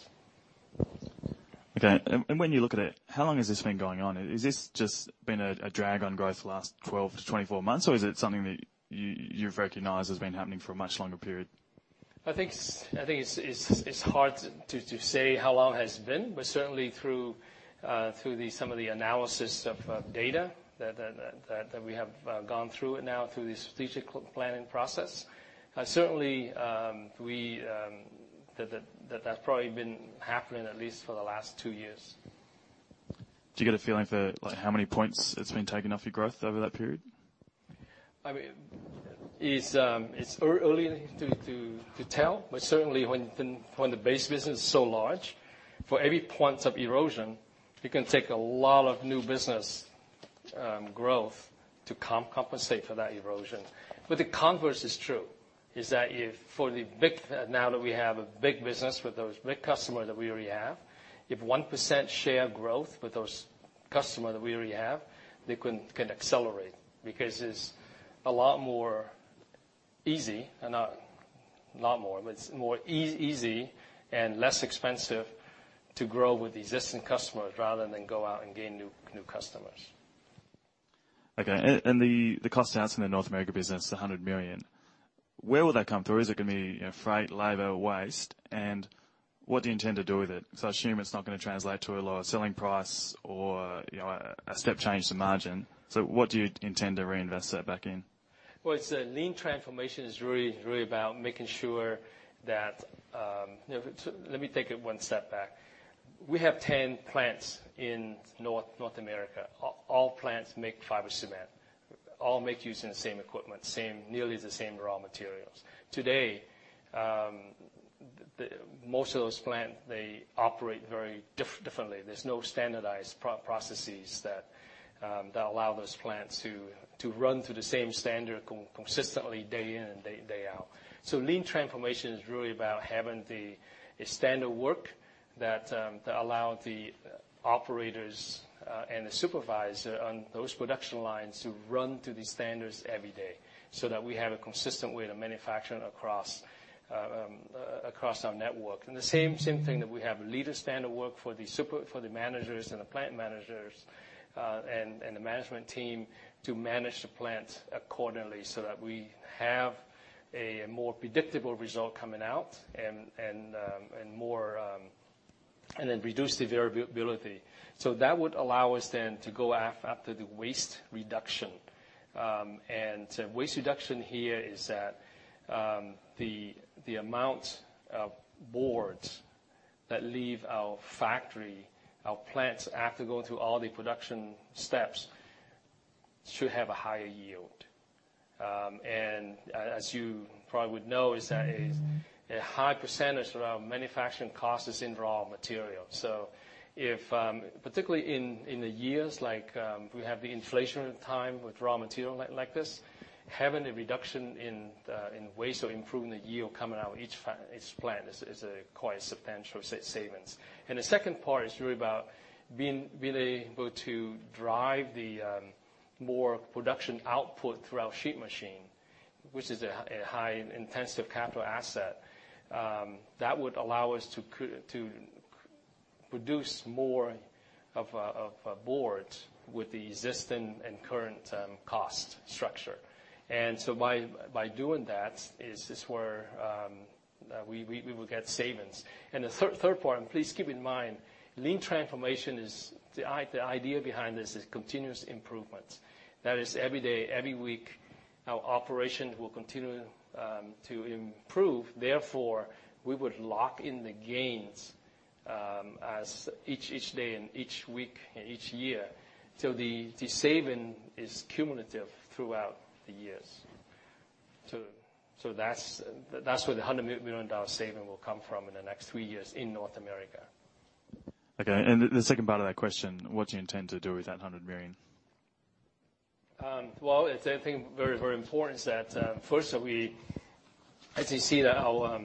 Okay. When you look at it, how long has this been going on? Is this just been a drag on growth for the last twelve to twenty-four months, or is it something that you, you've recognized has been happening for a much longer period? I think it's hard to say how long it has been, but certainly through some of the analysis of data that we have gone through now, through the strategic planning process, certainly, that's probably been happening at least for the last two years. Do you get a feeling for, like, how many points it's been taking off your growth over that period? I mean, it's early to tell, but certainly when the base business is so large, for every point of erosion, it can take a lot of new business growth to compensate for that erosion. But the converse is true, is that if for the big now that we have a big business with those big customers that we already have, if 1% share growth with those customer that we already have, they can accelerate because it's a lot more easy and not more, but it's more easy and less expensive to grow with existing customers rather than go out and gain new customers. Okay. And the cost out in the North America business, the $100 million, where will that come through? Is it going to be, you know, freight, labor, waste? And what do you intend to do with it? So I assume it's not going to translate to a lower selling price or, you know, a step change to margin. So what do you intend to reinvest that back in? It's a lean transformation is really, really about making sure that you know, so let me take it one step back. We have 10 plants in North America. All plants make fiber cement, all make use of the same equipment, nearly the same raw materials. Today, most of those plants, they operate very differently. There's no standardized processes that allow those plants to run to the same standard consistently day in and day out, so lean transformation is really about having the standard work that allow the operators and the supervisor on those production lines to run to the standards every day, so that we have a consistent way to manufacture across our network. And the same thing that we have a leader standard work for the managers and the plant managers, and the management team to manage the plant accordingly, so that we have a more predictable result coming out and more, and then reduce the variability. So that would allow us then to go after the waste reduction. And waste reduction here is that the amount of boards that leave our factory, our plants, after going through all the production steps, should have a higher yield. And as you probably would know, is that a high percentage of our manufacturing cost is in raw materials. So if, particularly in the years, like, we have the inflation time with raw material like this, having a reduction in the waste or improving the yield coming out of each plant is a quite substantial savings. And the second part is really about being able to drive the more production output through our sheet machine, which is a high intensive capital asset. That would allow us to produce more of boards with the existing and current cost structure. And so by doing that is where we will get savings. And the third point, please keep in mind, lean transformation is the idea behind this is continuous improvements. That is, every day, every week, our operation will continue to improve, therefore, we would lock in the gains, as each day and each week and each year. So the saving is cumulative throughout the years. So that's where the $100 million saving will come from in the next three years in North America. Okay. And the second part of that question, what do you intend to do with that hundred million? I think it's very, very important that first, as you see, our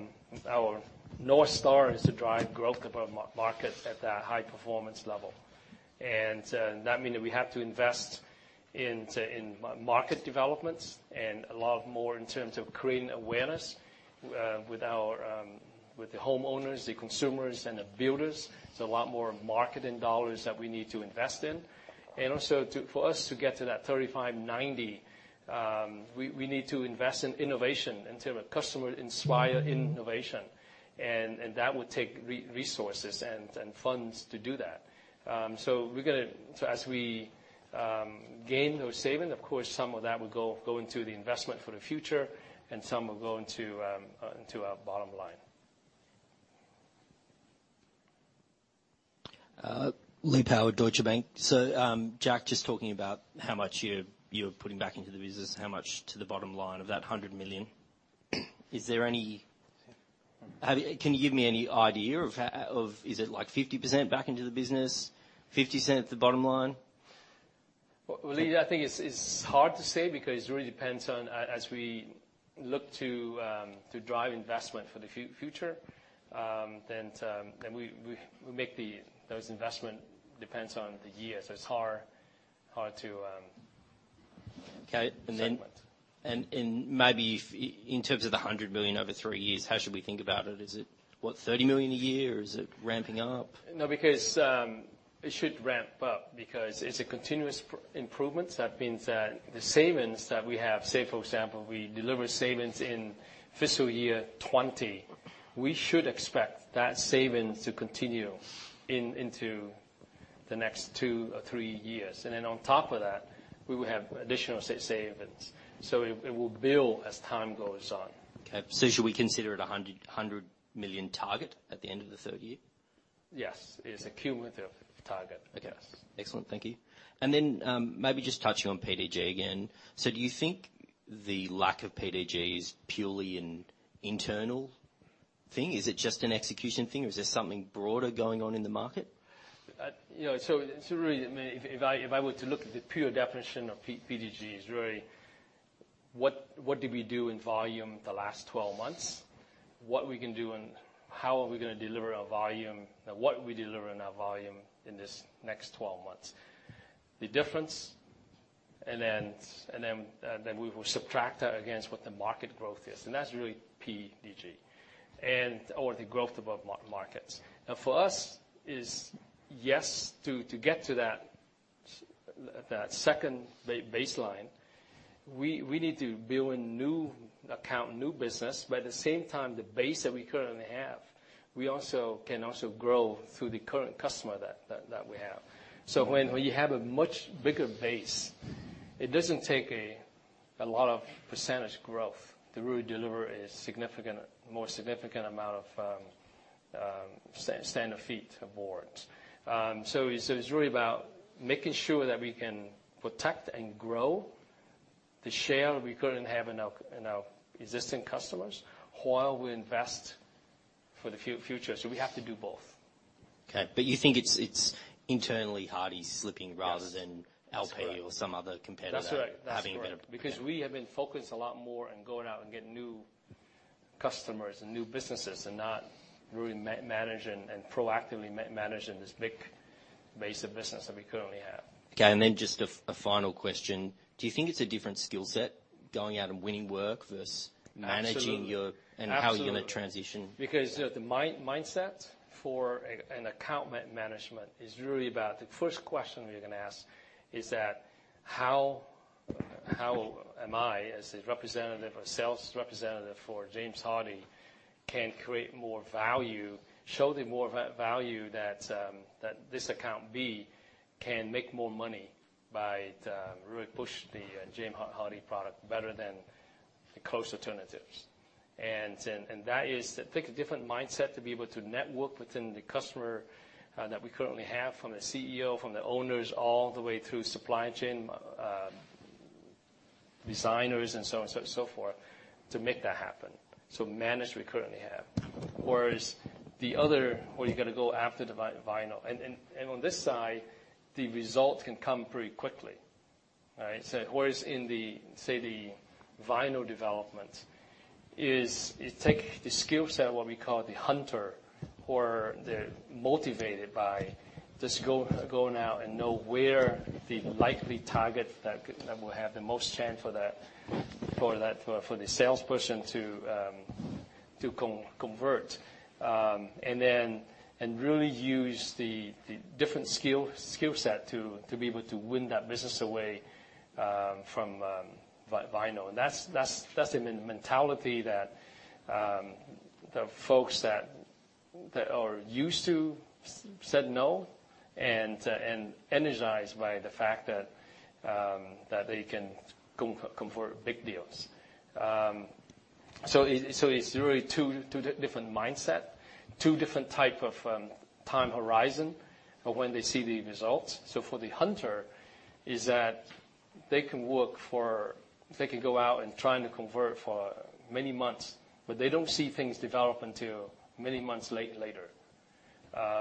North Star is to drive growth of our market at a high performance level. And that mean that we have to invest into market developments and a lot more in terms of creating awareness with our homeowners, the consumers, and the builders. It's a lot more marketing dollars that we need to invest in. And also, for us to get to that 35/90, we need to invest in innovation, into a customer-inspired innovation, and that would take resources and funds to do that. So as we gain those savings, of course, some of that will go into the investment for the future and some will go into our bottom line.... Lee Power, Deutsche Bank. So, Jack, just talking about how much you're putting back into the business, how much to the bottom line of that hundred million. Is there any... can you give me any idea of... Is it, like, 50% back into the business, 50% at the bottom line? Well, Lee, I think it's hard to say because it really depends on, as we look to drive investment for the future, then we make those investments depend on the year, so it's hard to. Okay, and then- Maybe in terms of the $100 million over three years, how should we think about it? Is it, what, $30 million a year, or is it ramping up? No, because it should ramp up because it's a continuous improvements. That means that the savings that we have, say, for example, we deliver savings in fiscal year 2020, we should expect that savings to continue into the next two or three years. On top of that, we will have additional savings, so it will build as time goes on. Okay, so should we consider it a $100 million target at the end of the third year? Yes, it is a cumulative target. Okay. Yes. Excellent. Thank you. And then, maybe just touching on PDG again. So do you think the lack of PDG is purely an internal thing? Is it just an execution thing, or is there something broader going on in the market? You know, so really, I mean, if I were to look at the pure definition of PDG is really what did we do in volume the last 12 months? What we can do and how are we gonna deliver our volume, and what we deliver in our volume in this next 12 months? The difference, and then we will subtract that against what the market growth is, and that's really PDG and... Or the growth above markets. Now, for us, yes, to get to that second baseline, we need to build a new account, new business, but at the same time, the base that we currently have, we also can grow through the current customer that we have. So when you have a much bigger base, it doesn't take a lot of percentage growth to really deliver a significant, more significant amount of standard feet of board. So it's really about making sure that we can protect and grow the share we currently have in our existing customers while we invest for the future. So we have to do both. Okay, but you think it's internally Hardie's slipping- Yes... rather than LP or some other competitor- That's right. That's right -having a better- Because we have been focused a lot more on going out and getting new customers and new businesses and not really managing and proactively managing this big base of business that we currently have. Okay, and then just a final question: Do you think it's a different skill set, going out and winning work versus- Absolutely -managing your- Absolutely. How are you going to transition? Because the mindset for an account management is really about the first question you're going to ask is that, how am I, as a representative or sales representative for James Hardie, can create more value, show more value that this account can be make more money by really pushing the James Hardie product better than the close alternatives? And that is, take a different mindset to be able to network within the customer that we currently have, from the CEO, from the owners, all the way through supply chain, designers and so on and so forth, to make that happen. So manage we currently have, whereas the other, where you got to go after the vinyl. And on this side, the results can come pretty quickly. All right? So whereas in the, say, the vinyl development is, it take the skill set, what we call the hunter, or they're motivated by just go now and know where the likely target that could, that will have the most chance for the, for that, for the salesperson to convert. And then really use the different skill set to be able to win that business away from vinyl. And that's a mentality that the folks that are used to said no and energized by the fact that they can convert big deals. So it's really two different mindset, two different type of time horizon of when they see the results. So for the hunter, is that they can work for... They can go out and trying to convert for many months, but they don't see things develop until many months later,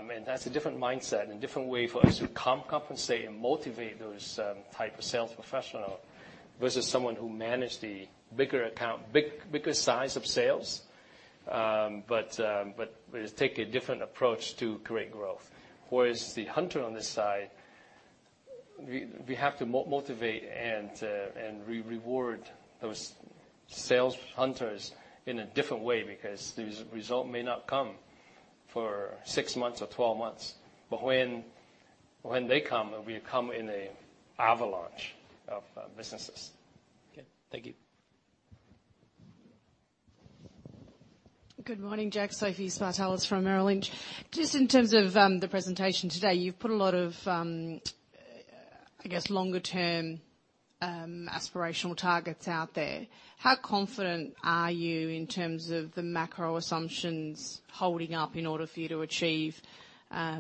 and that's a different mindset and different way for us to compensate and motivate those type of sales professional, versus someone who manage the bigger account, bigger size of sales, but it take a different approach to create growth. Whereas the hunter on this side, we have to motivate and reward those sales hunters in a different way, because the result may not come for six months or twelve months. But when they come, we come in a avalanche of businesses. Okay, thank you. Good morning, Jack. Sophie Spartalis from Merrill Lynch. Just in terms of the presentation today, you've put a lot of, I guess, longer-term, aspirational targets out there, how confident are you in terms of the macro assumptions holding up in order for you to achieve,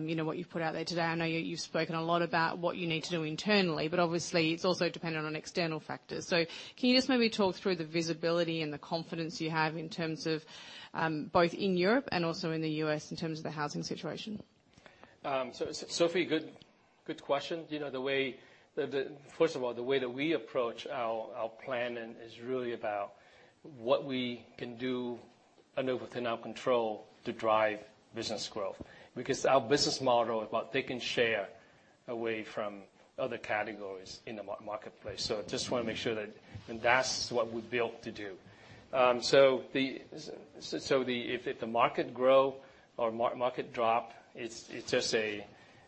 you know, what you've put out there today? I know you, you've spoken a lot about what you need to do internally, but obviously, it's also dependent on external factors. So can you just maybe talk through the visibility and the confidence you have in terms of both in Europe and also in the US, in terms of the housing situation? Sophie, good question. You know, the way that, first of all, the way that we approach our planning is really about what we can do within our control to drive business growth, because our business model is about taking share away from other categories in the marketplace. So just wanna make sure that. And that's what we're built to do. So, if the market grow or market drop,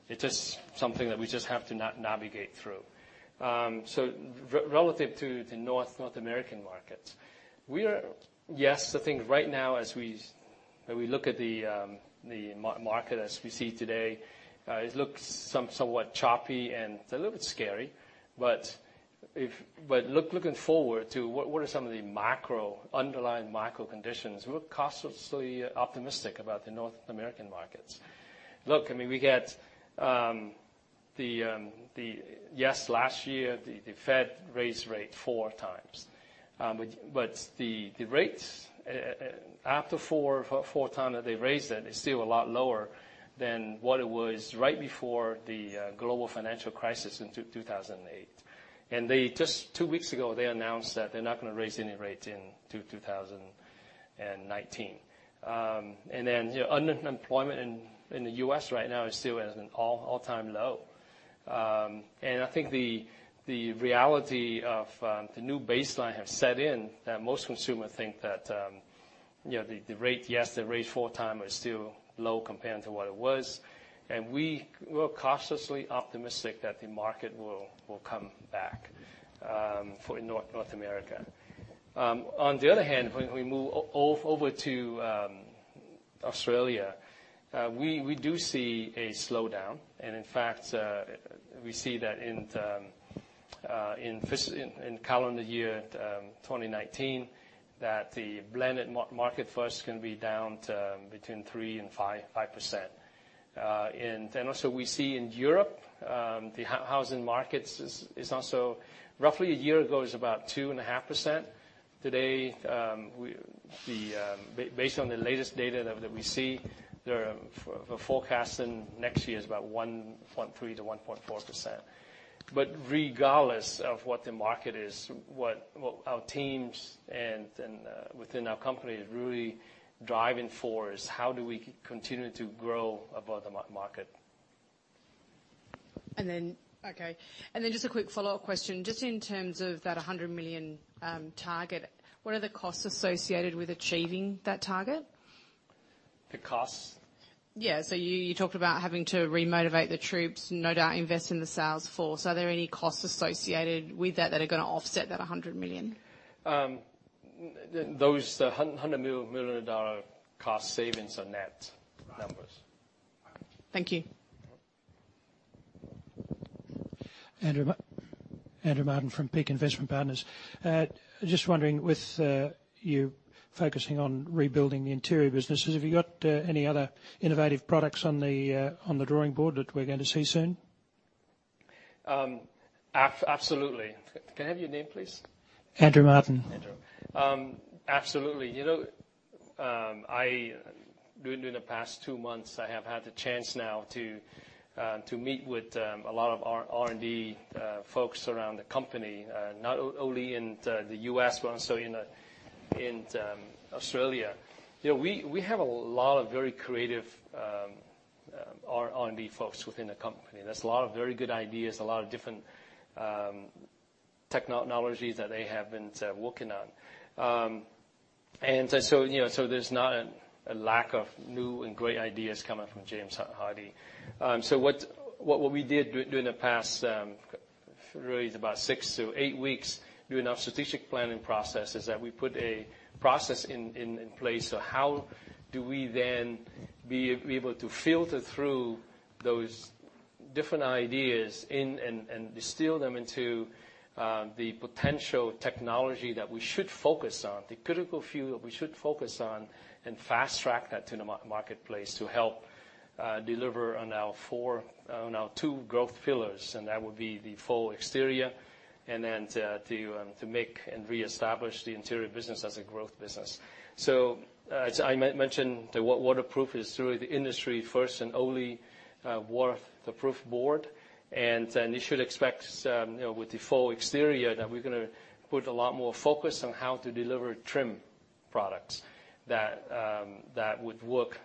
it's just something that we just have to navigate through. So relative to the North American markets, we are. Yes, I think right now, as we look at the market as we see today, it looks somewhat choppy, and it's a little bit scary. Looking forward to what are some of the macro underlying macro conditions, we're cautiously optimistic about the North American markets. Look, I mean, we get. Yes, last year the Fed raised rate four times, but the rates after four times that they raised it is still a lot lower than what it was right before the global financial crisis in two thousand and eight, and just two weeks ago they announced that they're not gonna raise any rates in two thousand and nineteen, and then, you know, unemployment in the U.S. right now is still at an all-time low. And I think the reality of the new baseline have set in, that most consumers think that you know the rate, yes, they raised four times, but it's still low compared to what it was. And we're cautiously optimistic that the market will come back for in North America. On the other hand, when we move over to Australia, we do see a slowdown, and in fact we see that in calendar year twenty nineteen, that the blended market forecast can be down to between 3% and 5%. And then also we see in Europe the housing markets is also. Roughly a year ago, it was about 2.5%. Today, based on the latest data that we see, the forecast in next year is about 1.3%-1.4%. But regardless of what the market is, what our teams and within our company is really driving for, is how do we continue to grow above the market? And then, okay. And then just a quick follow-up question, just in terms of that $100 million target, what are the costs associated with achieving that target? The costs? Yeah, so you talked about having to re-motivate the troops, no doubt, invest in the sales force. Are there any costs associated with that that are gonna offset that $100 million? Those $100 million-dollar cost savings are net numbers. Thank you. Andrew Martin from Peak Investment Partners. Just wondering, with you focusing on rebuilding the interior business, have you got any other innovative products on the drawing board that we're going to see soon? Absolutely. Can I have your name, please? Andrew Martin. Andrew. Absolutely. You know, I during the past two months, I have had the chance now to to meet with a lot of our R&D folks around the company, not only in the U.S., but also in Australia. You know, we have a lot of very creative R&D folks within the company. There's a lot of very good ideas, a lot of different technologies that they have been working on, and so you know, so there's not a lack of new and great ideas coming from James Hardie. So what we did during the past really is about six to eight weeks, during our strategic planning process, is that we put a process in place. So how do we then be able to filter through those different ideas and distill them into the potential technology that we should focus on, the critical few that we should focus on, and fast-track that to the marketplace, to help deliver on our two growth pillars, and that would be the full exterior, and then to make and reestablish the interior business as a growth business. So as I mentioned, the Weatherproof is really the industry's first and only weatherproof board. And then you should expect, you know, with the full exterior, that we're gonna put a lot more focus on how to deliver trim products that would work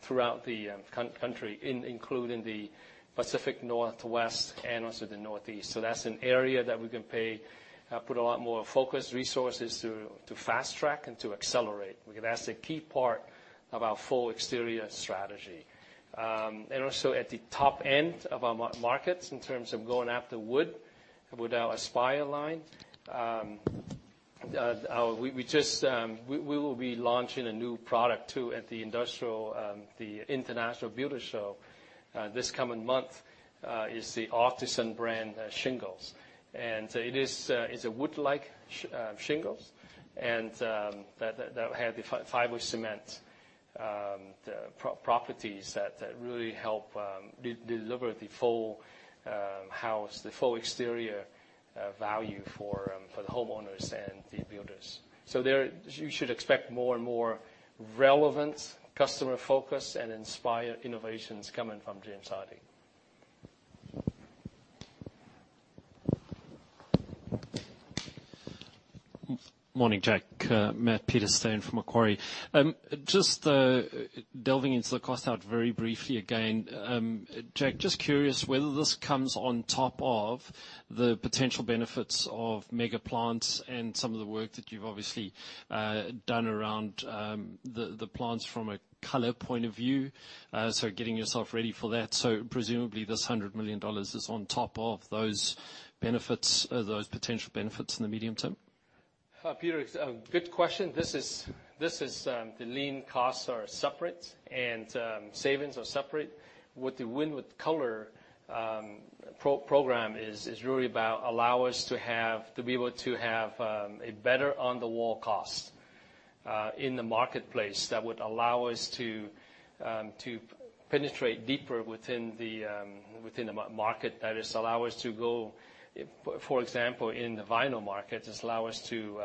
throughout the country, including the Pacific Northwest and also the Northeast. So that's an area that we can put a lot more focus, resources, to, to fast-track and to accelerate, because that's a key part of our full exterior strategy. And also at the top end of our markets, in terms of going after wood with our Aspyre line. We will be launching a new product, too, at the International Builders' Show, this coming month, is the Artisan brand shingles. And it is, it's a wood-like shingles, and that have the fiber cement properties that really help deliver the full house, the full exterior value for the homeowners and the builders. So, there, you should expect more and more relevant, customer-focused, and inspired innovations coming from James Hardie. Morning, Jack. Matt Peterson from Macquarie. Just delving into the cost out very briefly again, Jack, just curious whether this comes on top of the potential benefits of mega plants and some of the work that you've obviously done around the plants from a color point of view, so getting yourself ready for that. So presumably, this $100 million is on top of those benefits, those potential benefits in the medium term? Peter, it's a good question. This is the lean costs are separate, and savings are separate. What the Win with Color program is really about allow us to be able to have a better on-the-wall cost in the marketplace that would allow us to penetrate deeper within the market. That is, allow us to go, for example, in the vinyl market, just allow us to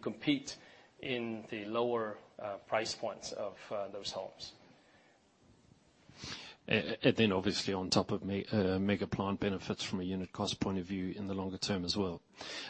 compete in the lower price points of those homes. Obviously, on top of mega plant benefits from a unit cost point of view in the longer term as well.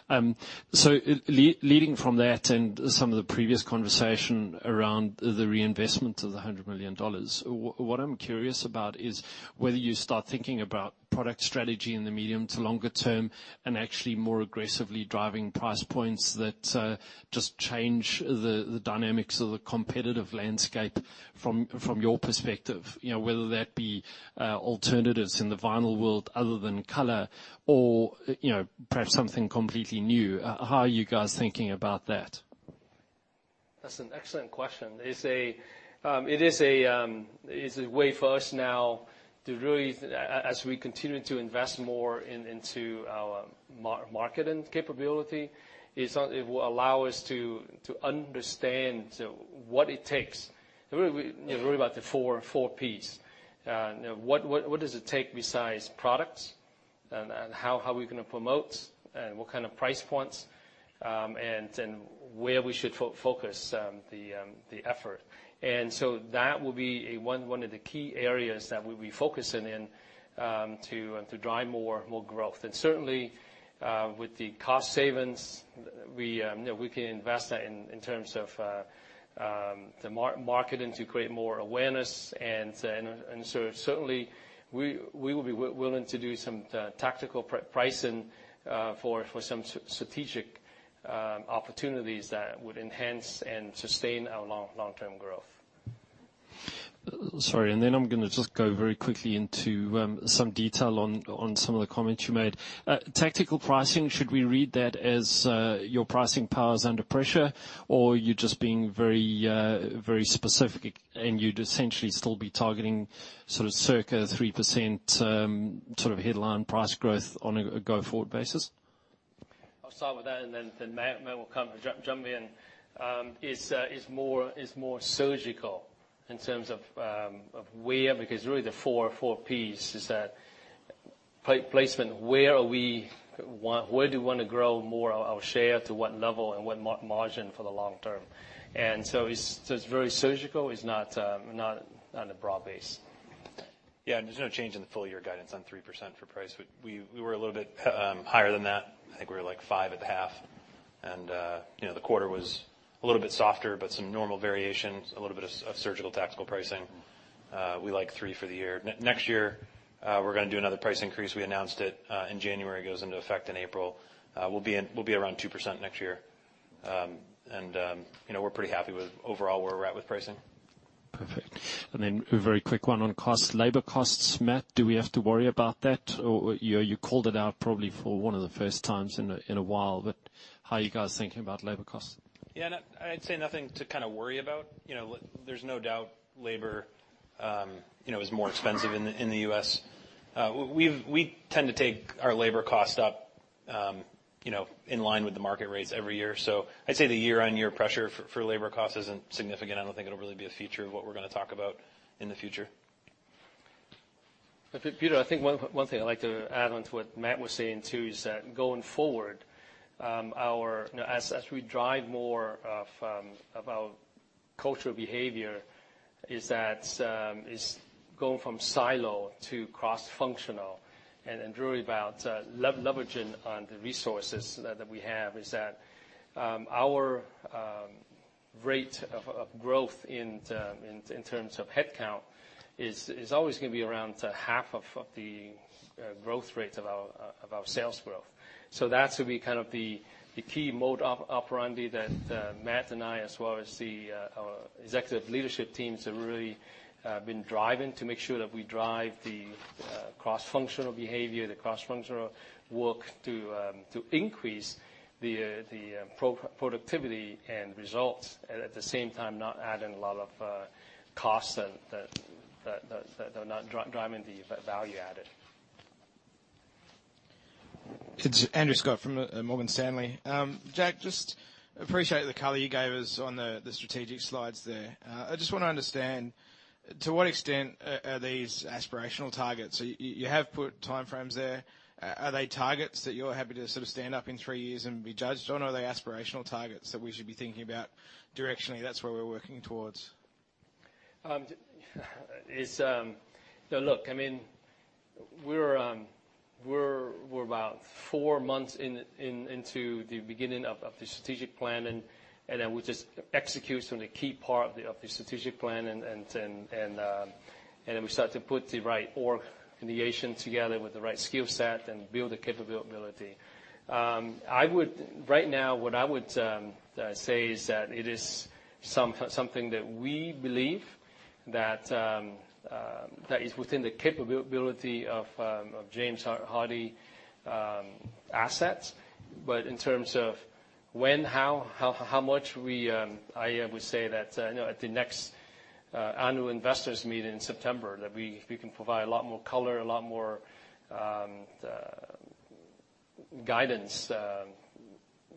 Leading from that and some of the previous conversation around the reinvestment of the $100 million, what I'm curious about is whether you start thinking about product strategy in the medium to longer term, and actually more aggressively driving price points that just change the dynamics of the competitive landscape from your perspective. You know, whether that be alternatives in the vinyl world other than color or, you know, perhaps something completely new. How are you guys thinking about that? That's an excellent question. It's a way for us now to really, as we continue to invest more into our marketing capability, it will allow us to understand, so what it takes, really about the four Ps. What does it take besides products? And how are we gonna promote? And what kind of price points? And where we should focus the effort. And so that will be one of the key areas that we'll be focusing in to drive more growth. And certainly, with the cost savings, we can invest that in terms of the marketing to create more awareness. Certainly, we will be willing to do some tactical pricing for some strategic opportunities that would enhance and sustain our long-term growth. Sorry, and then I'm gonna just go very quickly into some detail on some of the comments you made. Tactical pricing, should we read that as your pricing power is under pressure, or you're just being very, very specific, and you'd essentially still be targeting sort of circa 3% sort of headline price growth on a go-forward basis? I'll start with that, and then Matt will come jump in. It's more surgical in terms of where, because really the four Ps is that placement, where do we wanna grow more our share, to what level and what margin for the long term? And so it's very surgical. It's not on a broad base. Yeah, and there's no change in the full year guidance on 3% for price. We were a little bit higher than that. I think we were, like, 5% at the half. And you know, the quarter was a little bit softer, but some normal variations, a little bit of surgical tactical pricing. We like 3% for the year. Next year, we're gonna do another price increase. We announced it in January, goes into effect in April. We'll be around 2% next year. And you know, we're pretty happy with overall where we're at with pricing. Perfect. And then a very quick one on costs, labor costs. Matt, do we have to worry about that, or you called it out probably for one of the first times in a while, but how are you guys thinking about labor costs? Yeah, no, I'd say nothing to kind of worry about. You know, there's no doubt labor is more expensive in the US. We tend to take our labor costs up, you know, in line with the market rates every year. So I'd say the year-on-year pressure for labor costs isn't significant. I don't think it'll really be a feature of what we're gonna talk about in the future. But Peter, I think one thing I'd like to add on to what Matt was saying, too, is that going forward, our... As we drive more of our cultural behavior, is that going from silo to cross-functional, and really about leveraging on the resources that we have, is that our rate of growth in terms of headcount is always gonna be around half of the growth rate of our sales growth. So that will be kind of the key modus operandi that Matt and I, as well as our executive leadership teams, have really been driving to make sure that we drive the cross-functional behavior, the cross-functional work, to increase the productivity and results, and at the same time, not adding a lot of costs that are not driving the value added. It's Andrew Scott from Morgan Stanley. Jack, just appreciate the color you gave us on the strategic slides there. I just wanna understand, to what extent are these aspirational targets? So you have put time frames there. Are they targets that you're happy to sort of stand up in three years and be judged on? Or are they aspirational targets that we should be thinking about directionally, that's where we're working towards? Now, look, I mean, we're about four months into the beginning of the strategic plan, and then we just execute on the key part of the strategic plan, and then we start to put the right organization in Asia together with the right skill set and build the capability. Right now, what I would say is that it is something that we believe that is within the capability of James Hardie assets. But in terms of when, how much we, I would say that, you know, at the next annual investors' meeting in September, that we can provide a lot more color, a lot more guidance,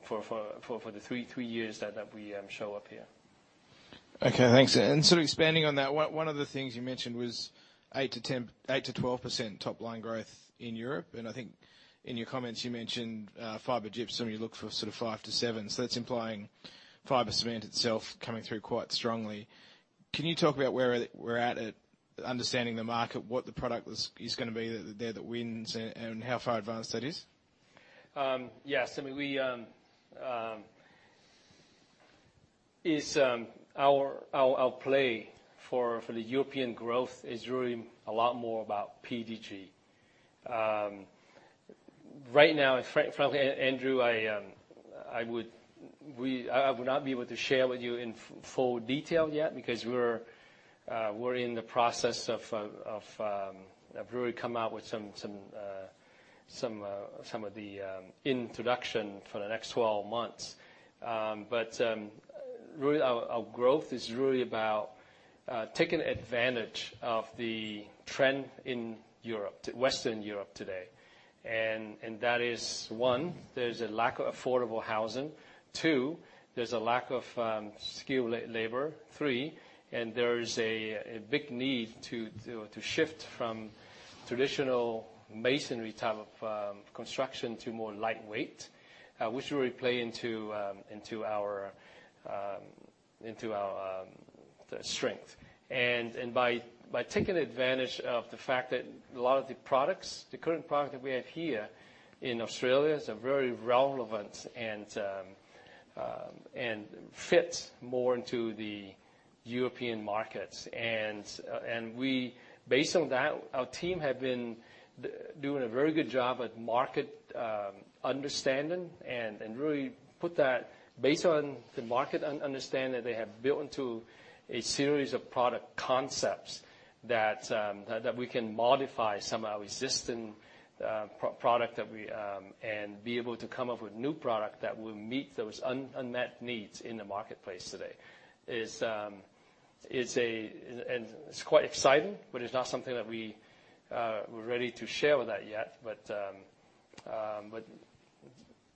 for the three years that we show up here. Okay, thanks. And sort of expanding on that, one of the things you mentioned was 8-12% top line growth in Europe. And I think in your comments, you mentioned fiber gypsum, you look for sort of 5-7%, so that's implying fiber cement itself coming through quite strongly. Can you talk about where we're at understanding the market, what the product is gonna be there that wins, and how far advanced that is? Yes, I mean, our play for the European growth is really a lot more about PDG. Right now, frankly, Andrew, I would not be able to share with you in full detail yet, because we're in the process of really coming out with some of the introduction for the next twelve months. But really, our growth is really about taking advantage of the trend in Europe, Western Europe today, and that is, one, there's a lack of affordable housing. Two, there's a lack of skilled labor. Three, and there is a big need to shift from traditional masonry type of construction to more lightweight, which really play into our the strength. And by taking advantage of the fact that a lot of the products, the current product that we have here in Australia, is very relevant and fit more into the European markets. And we. Based on that, our team have been doing a very good job at market understanding, and really put that. Based on the market understanding, they have built into a series of product concepts that we can modify some of our existing product that we. And be able to come up with new product that will meet those unmet needs in the marketplace today. It is, and it's quite exciting, but it's not something that we're ready to share with that yet. But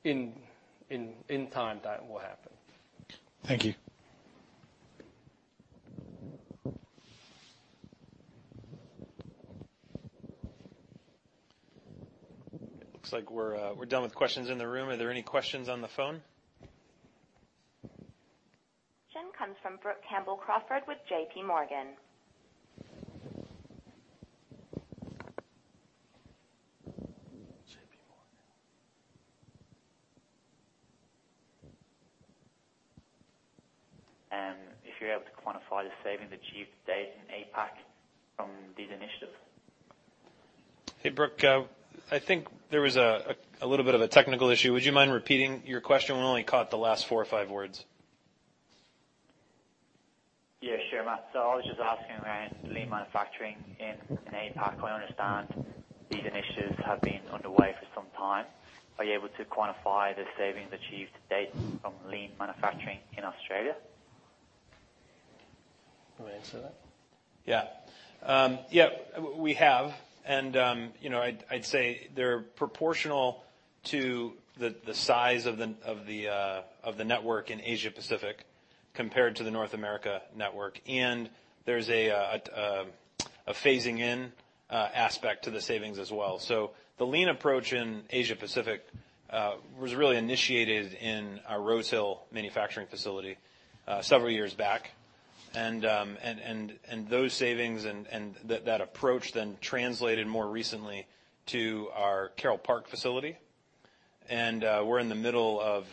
in time, that will happen. Thank you. It looks like we're done with questions in the room. Are there any questions on the phone?... Question comes from Brook Campbell-Crawford with J.P. Morgan. JPMorgan. If you're able to quantify the savings achieved to date in APAC from these initiatives? Hey, Brook, I think there was a little bit of a technical issue. Would you mind repeating your question? We only caught the last four or five words. Yeah, sure, Matt. So I was just asking around lean manufacturing in APAC. I understand these initiatives have been underway for some time. Are you able to quantify the savings achieved to date from lean manufacturing in Australia? You want to answer that? Yeah. Yeah, we have, and, you know, I'd say they're proportional to the size of the network in Asia Pacific, compared to the North America network. And there's a phasing in aspect to the savings as well. So the lean approach in Asia Pacific was really initiated in our Rose Hill manufacturing facility several years back. And those savings and that approach then translated more recently to our Carroll Park facility. And we're in the middle of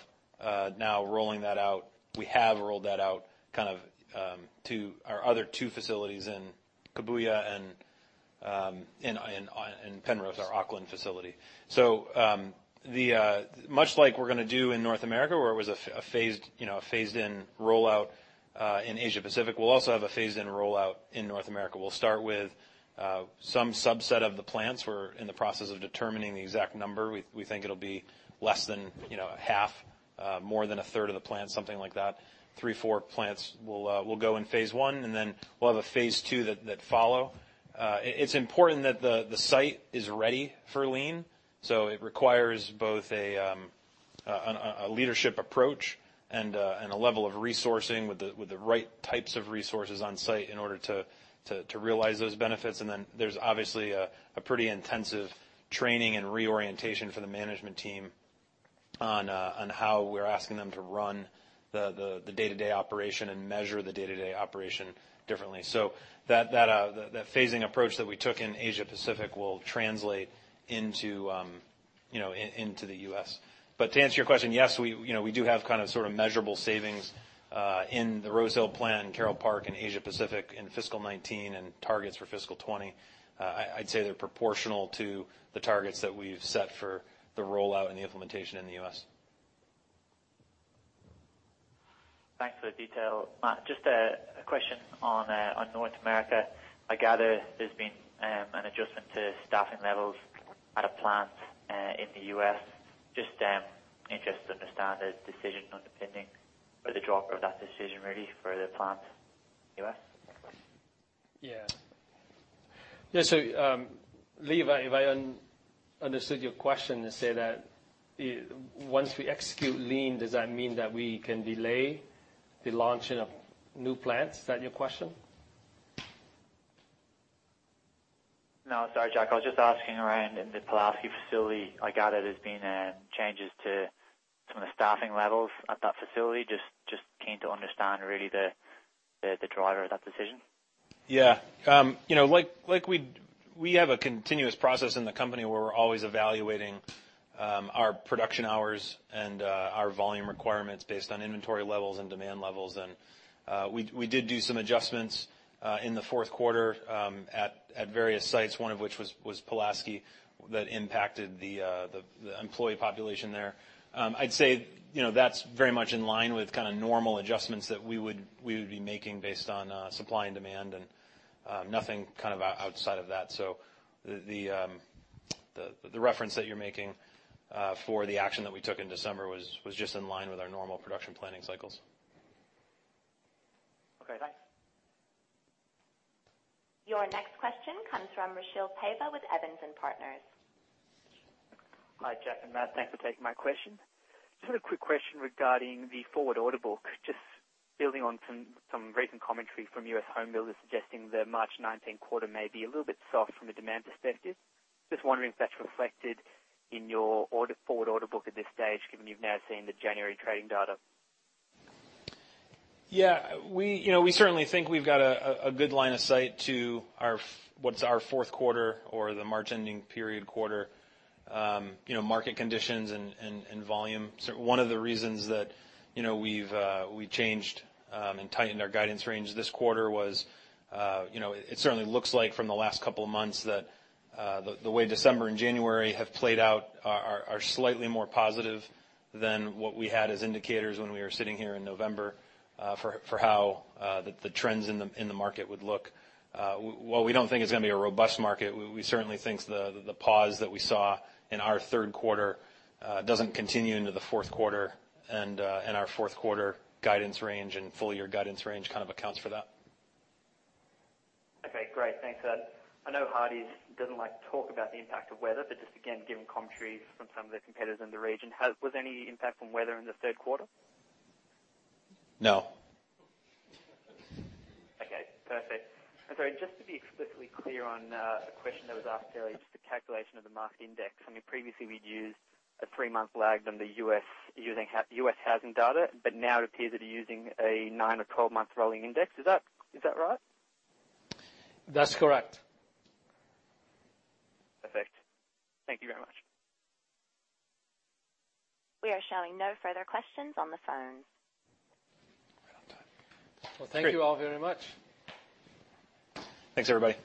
now rolling that out. We have rolled that out, kind of, to our other two facilities in Caboolture and in Penrose, our Auckland facility. So, much like we're gonna do in North America, where it was a phased, you know, a phased-in rollout, in Asia Pacific, we'll also have a phased-in rollout in North America. We'll start with some subset of the plants. We're in the process of determining the exact number. We think it'll be less than, you know, half, more than a third of the plant, something like that. Three, four plants will go in phase one, and then we'll have a phase two that follow. It's important that the site is ready for lean. So it requires both a leadership approach and a level of resourcing with the right types of resources on site in order to realize those benefits. And then there's obviously a pretty intensive training and reorientation for the management team on how we're asking them to run the day-to-day operation and measure the day-to-day operation differently. So that phasing approach that we took in Asia Pacific will translate into, you know, into the US. But to answer your question, yes, we, you know, we do have kind of sort of measurable savings in the Rose Hill plant, Carroll Park, and Asia Pacific in fiscal 2019 and targets for fiscal 2020. I'd say they're proportional to the targets that we've set for the rollout and the implementation in the US. Thanks for the detail, Matt. Just a question on North America. I gather there's been an adjustment to staffing levels at a plant in the US. Just interested to understand the decision underpinning or the driver of that decision, really, for the plant in the US? Yeah. Yeah, so, Lee, if I understood your question to say that once we execute lean, does that mean that we can delay the launching of new plants? Is that your question? No, sorry, Jack. I was just asking around in the Pulaski facility. I gather there's been changes to some of the staffing levels at that facility. Just keen to understand really the driver of that decision. Yeah. You know, like, like we have a continuous process in the company where we're always evaluating our production hours and our volume requirements based on inventory levels and demand levels. And we did do some adjustments in the fourth quarter at various sites, one of which was Pulaski, that impacted the employee population there. I'd say, you know, that's very much in line with kind of normal adjustments that we would be making based on supply and demand, and nothing kind of outside of that. So the reference that you're making for the action that we took in December was just in line with our normal production planning cycles. Okay, thanks. Your next question comes from Rochelle Pivec with Evans and Partners. Hi, Jack and Matt, thanks for taking my question. Just a quick question regarding the forward order book. Just building on some recent commentary from U.S. home builders, suggesting the March 2019 quarter may be a little bit soft from a demand perspective. Just wondering if that's reflected in your forward order book at this stage, given you've now seen the January trading data? Yeah, we, you know, we certainly think we've got a good line of sight to our-- what's our fourth quarter or the March ending period quarter. You know, market conditions and volume. So one of the reasons that, you know, we've we changed and tightened our guidance range this quarter was, you know, it certainly looks like from the last couple of months that the way December and January have played out are slightly more positive than what we had as indicators when we were sitting here in November for how the trends in the market would look. While we don't think it's going to be a robust market, we certainly think the pause that we saw in our third quarter doesn't continue into the fourth quarter, and our fourth quarter guidance range and full year guidance range kind of accounts for that. Okay, great. Thanks for that. I know Hardie's doesn't like to talk about the impact of weather, but just again, given commentaries from some of their competitors in the region, was there any impact from weather in the third quarter? No. Okay, perfect. And sorry, just to be explicitly clear on a question that was asked earlier, just the calculation of the market index. I mean, previously, we'd used a three-month lag to the US using US housing data, but now it appears that you're using a nine- or twelve-month rolling index. Is that right? That's correct. Perfect. Thank you very much. We are showing no further questions on the phone. Right on time. Thank you all very much. Thanks, everybody.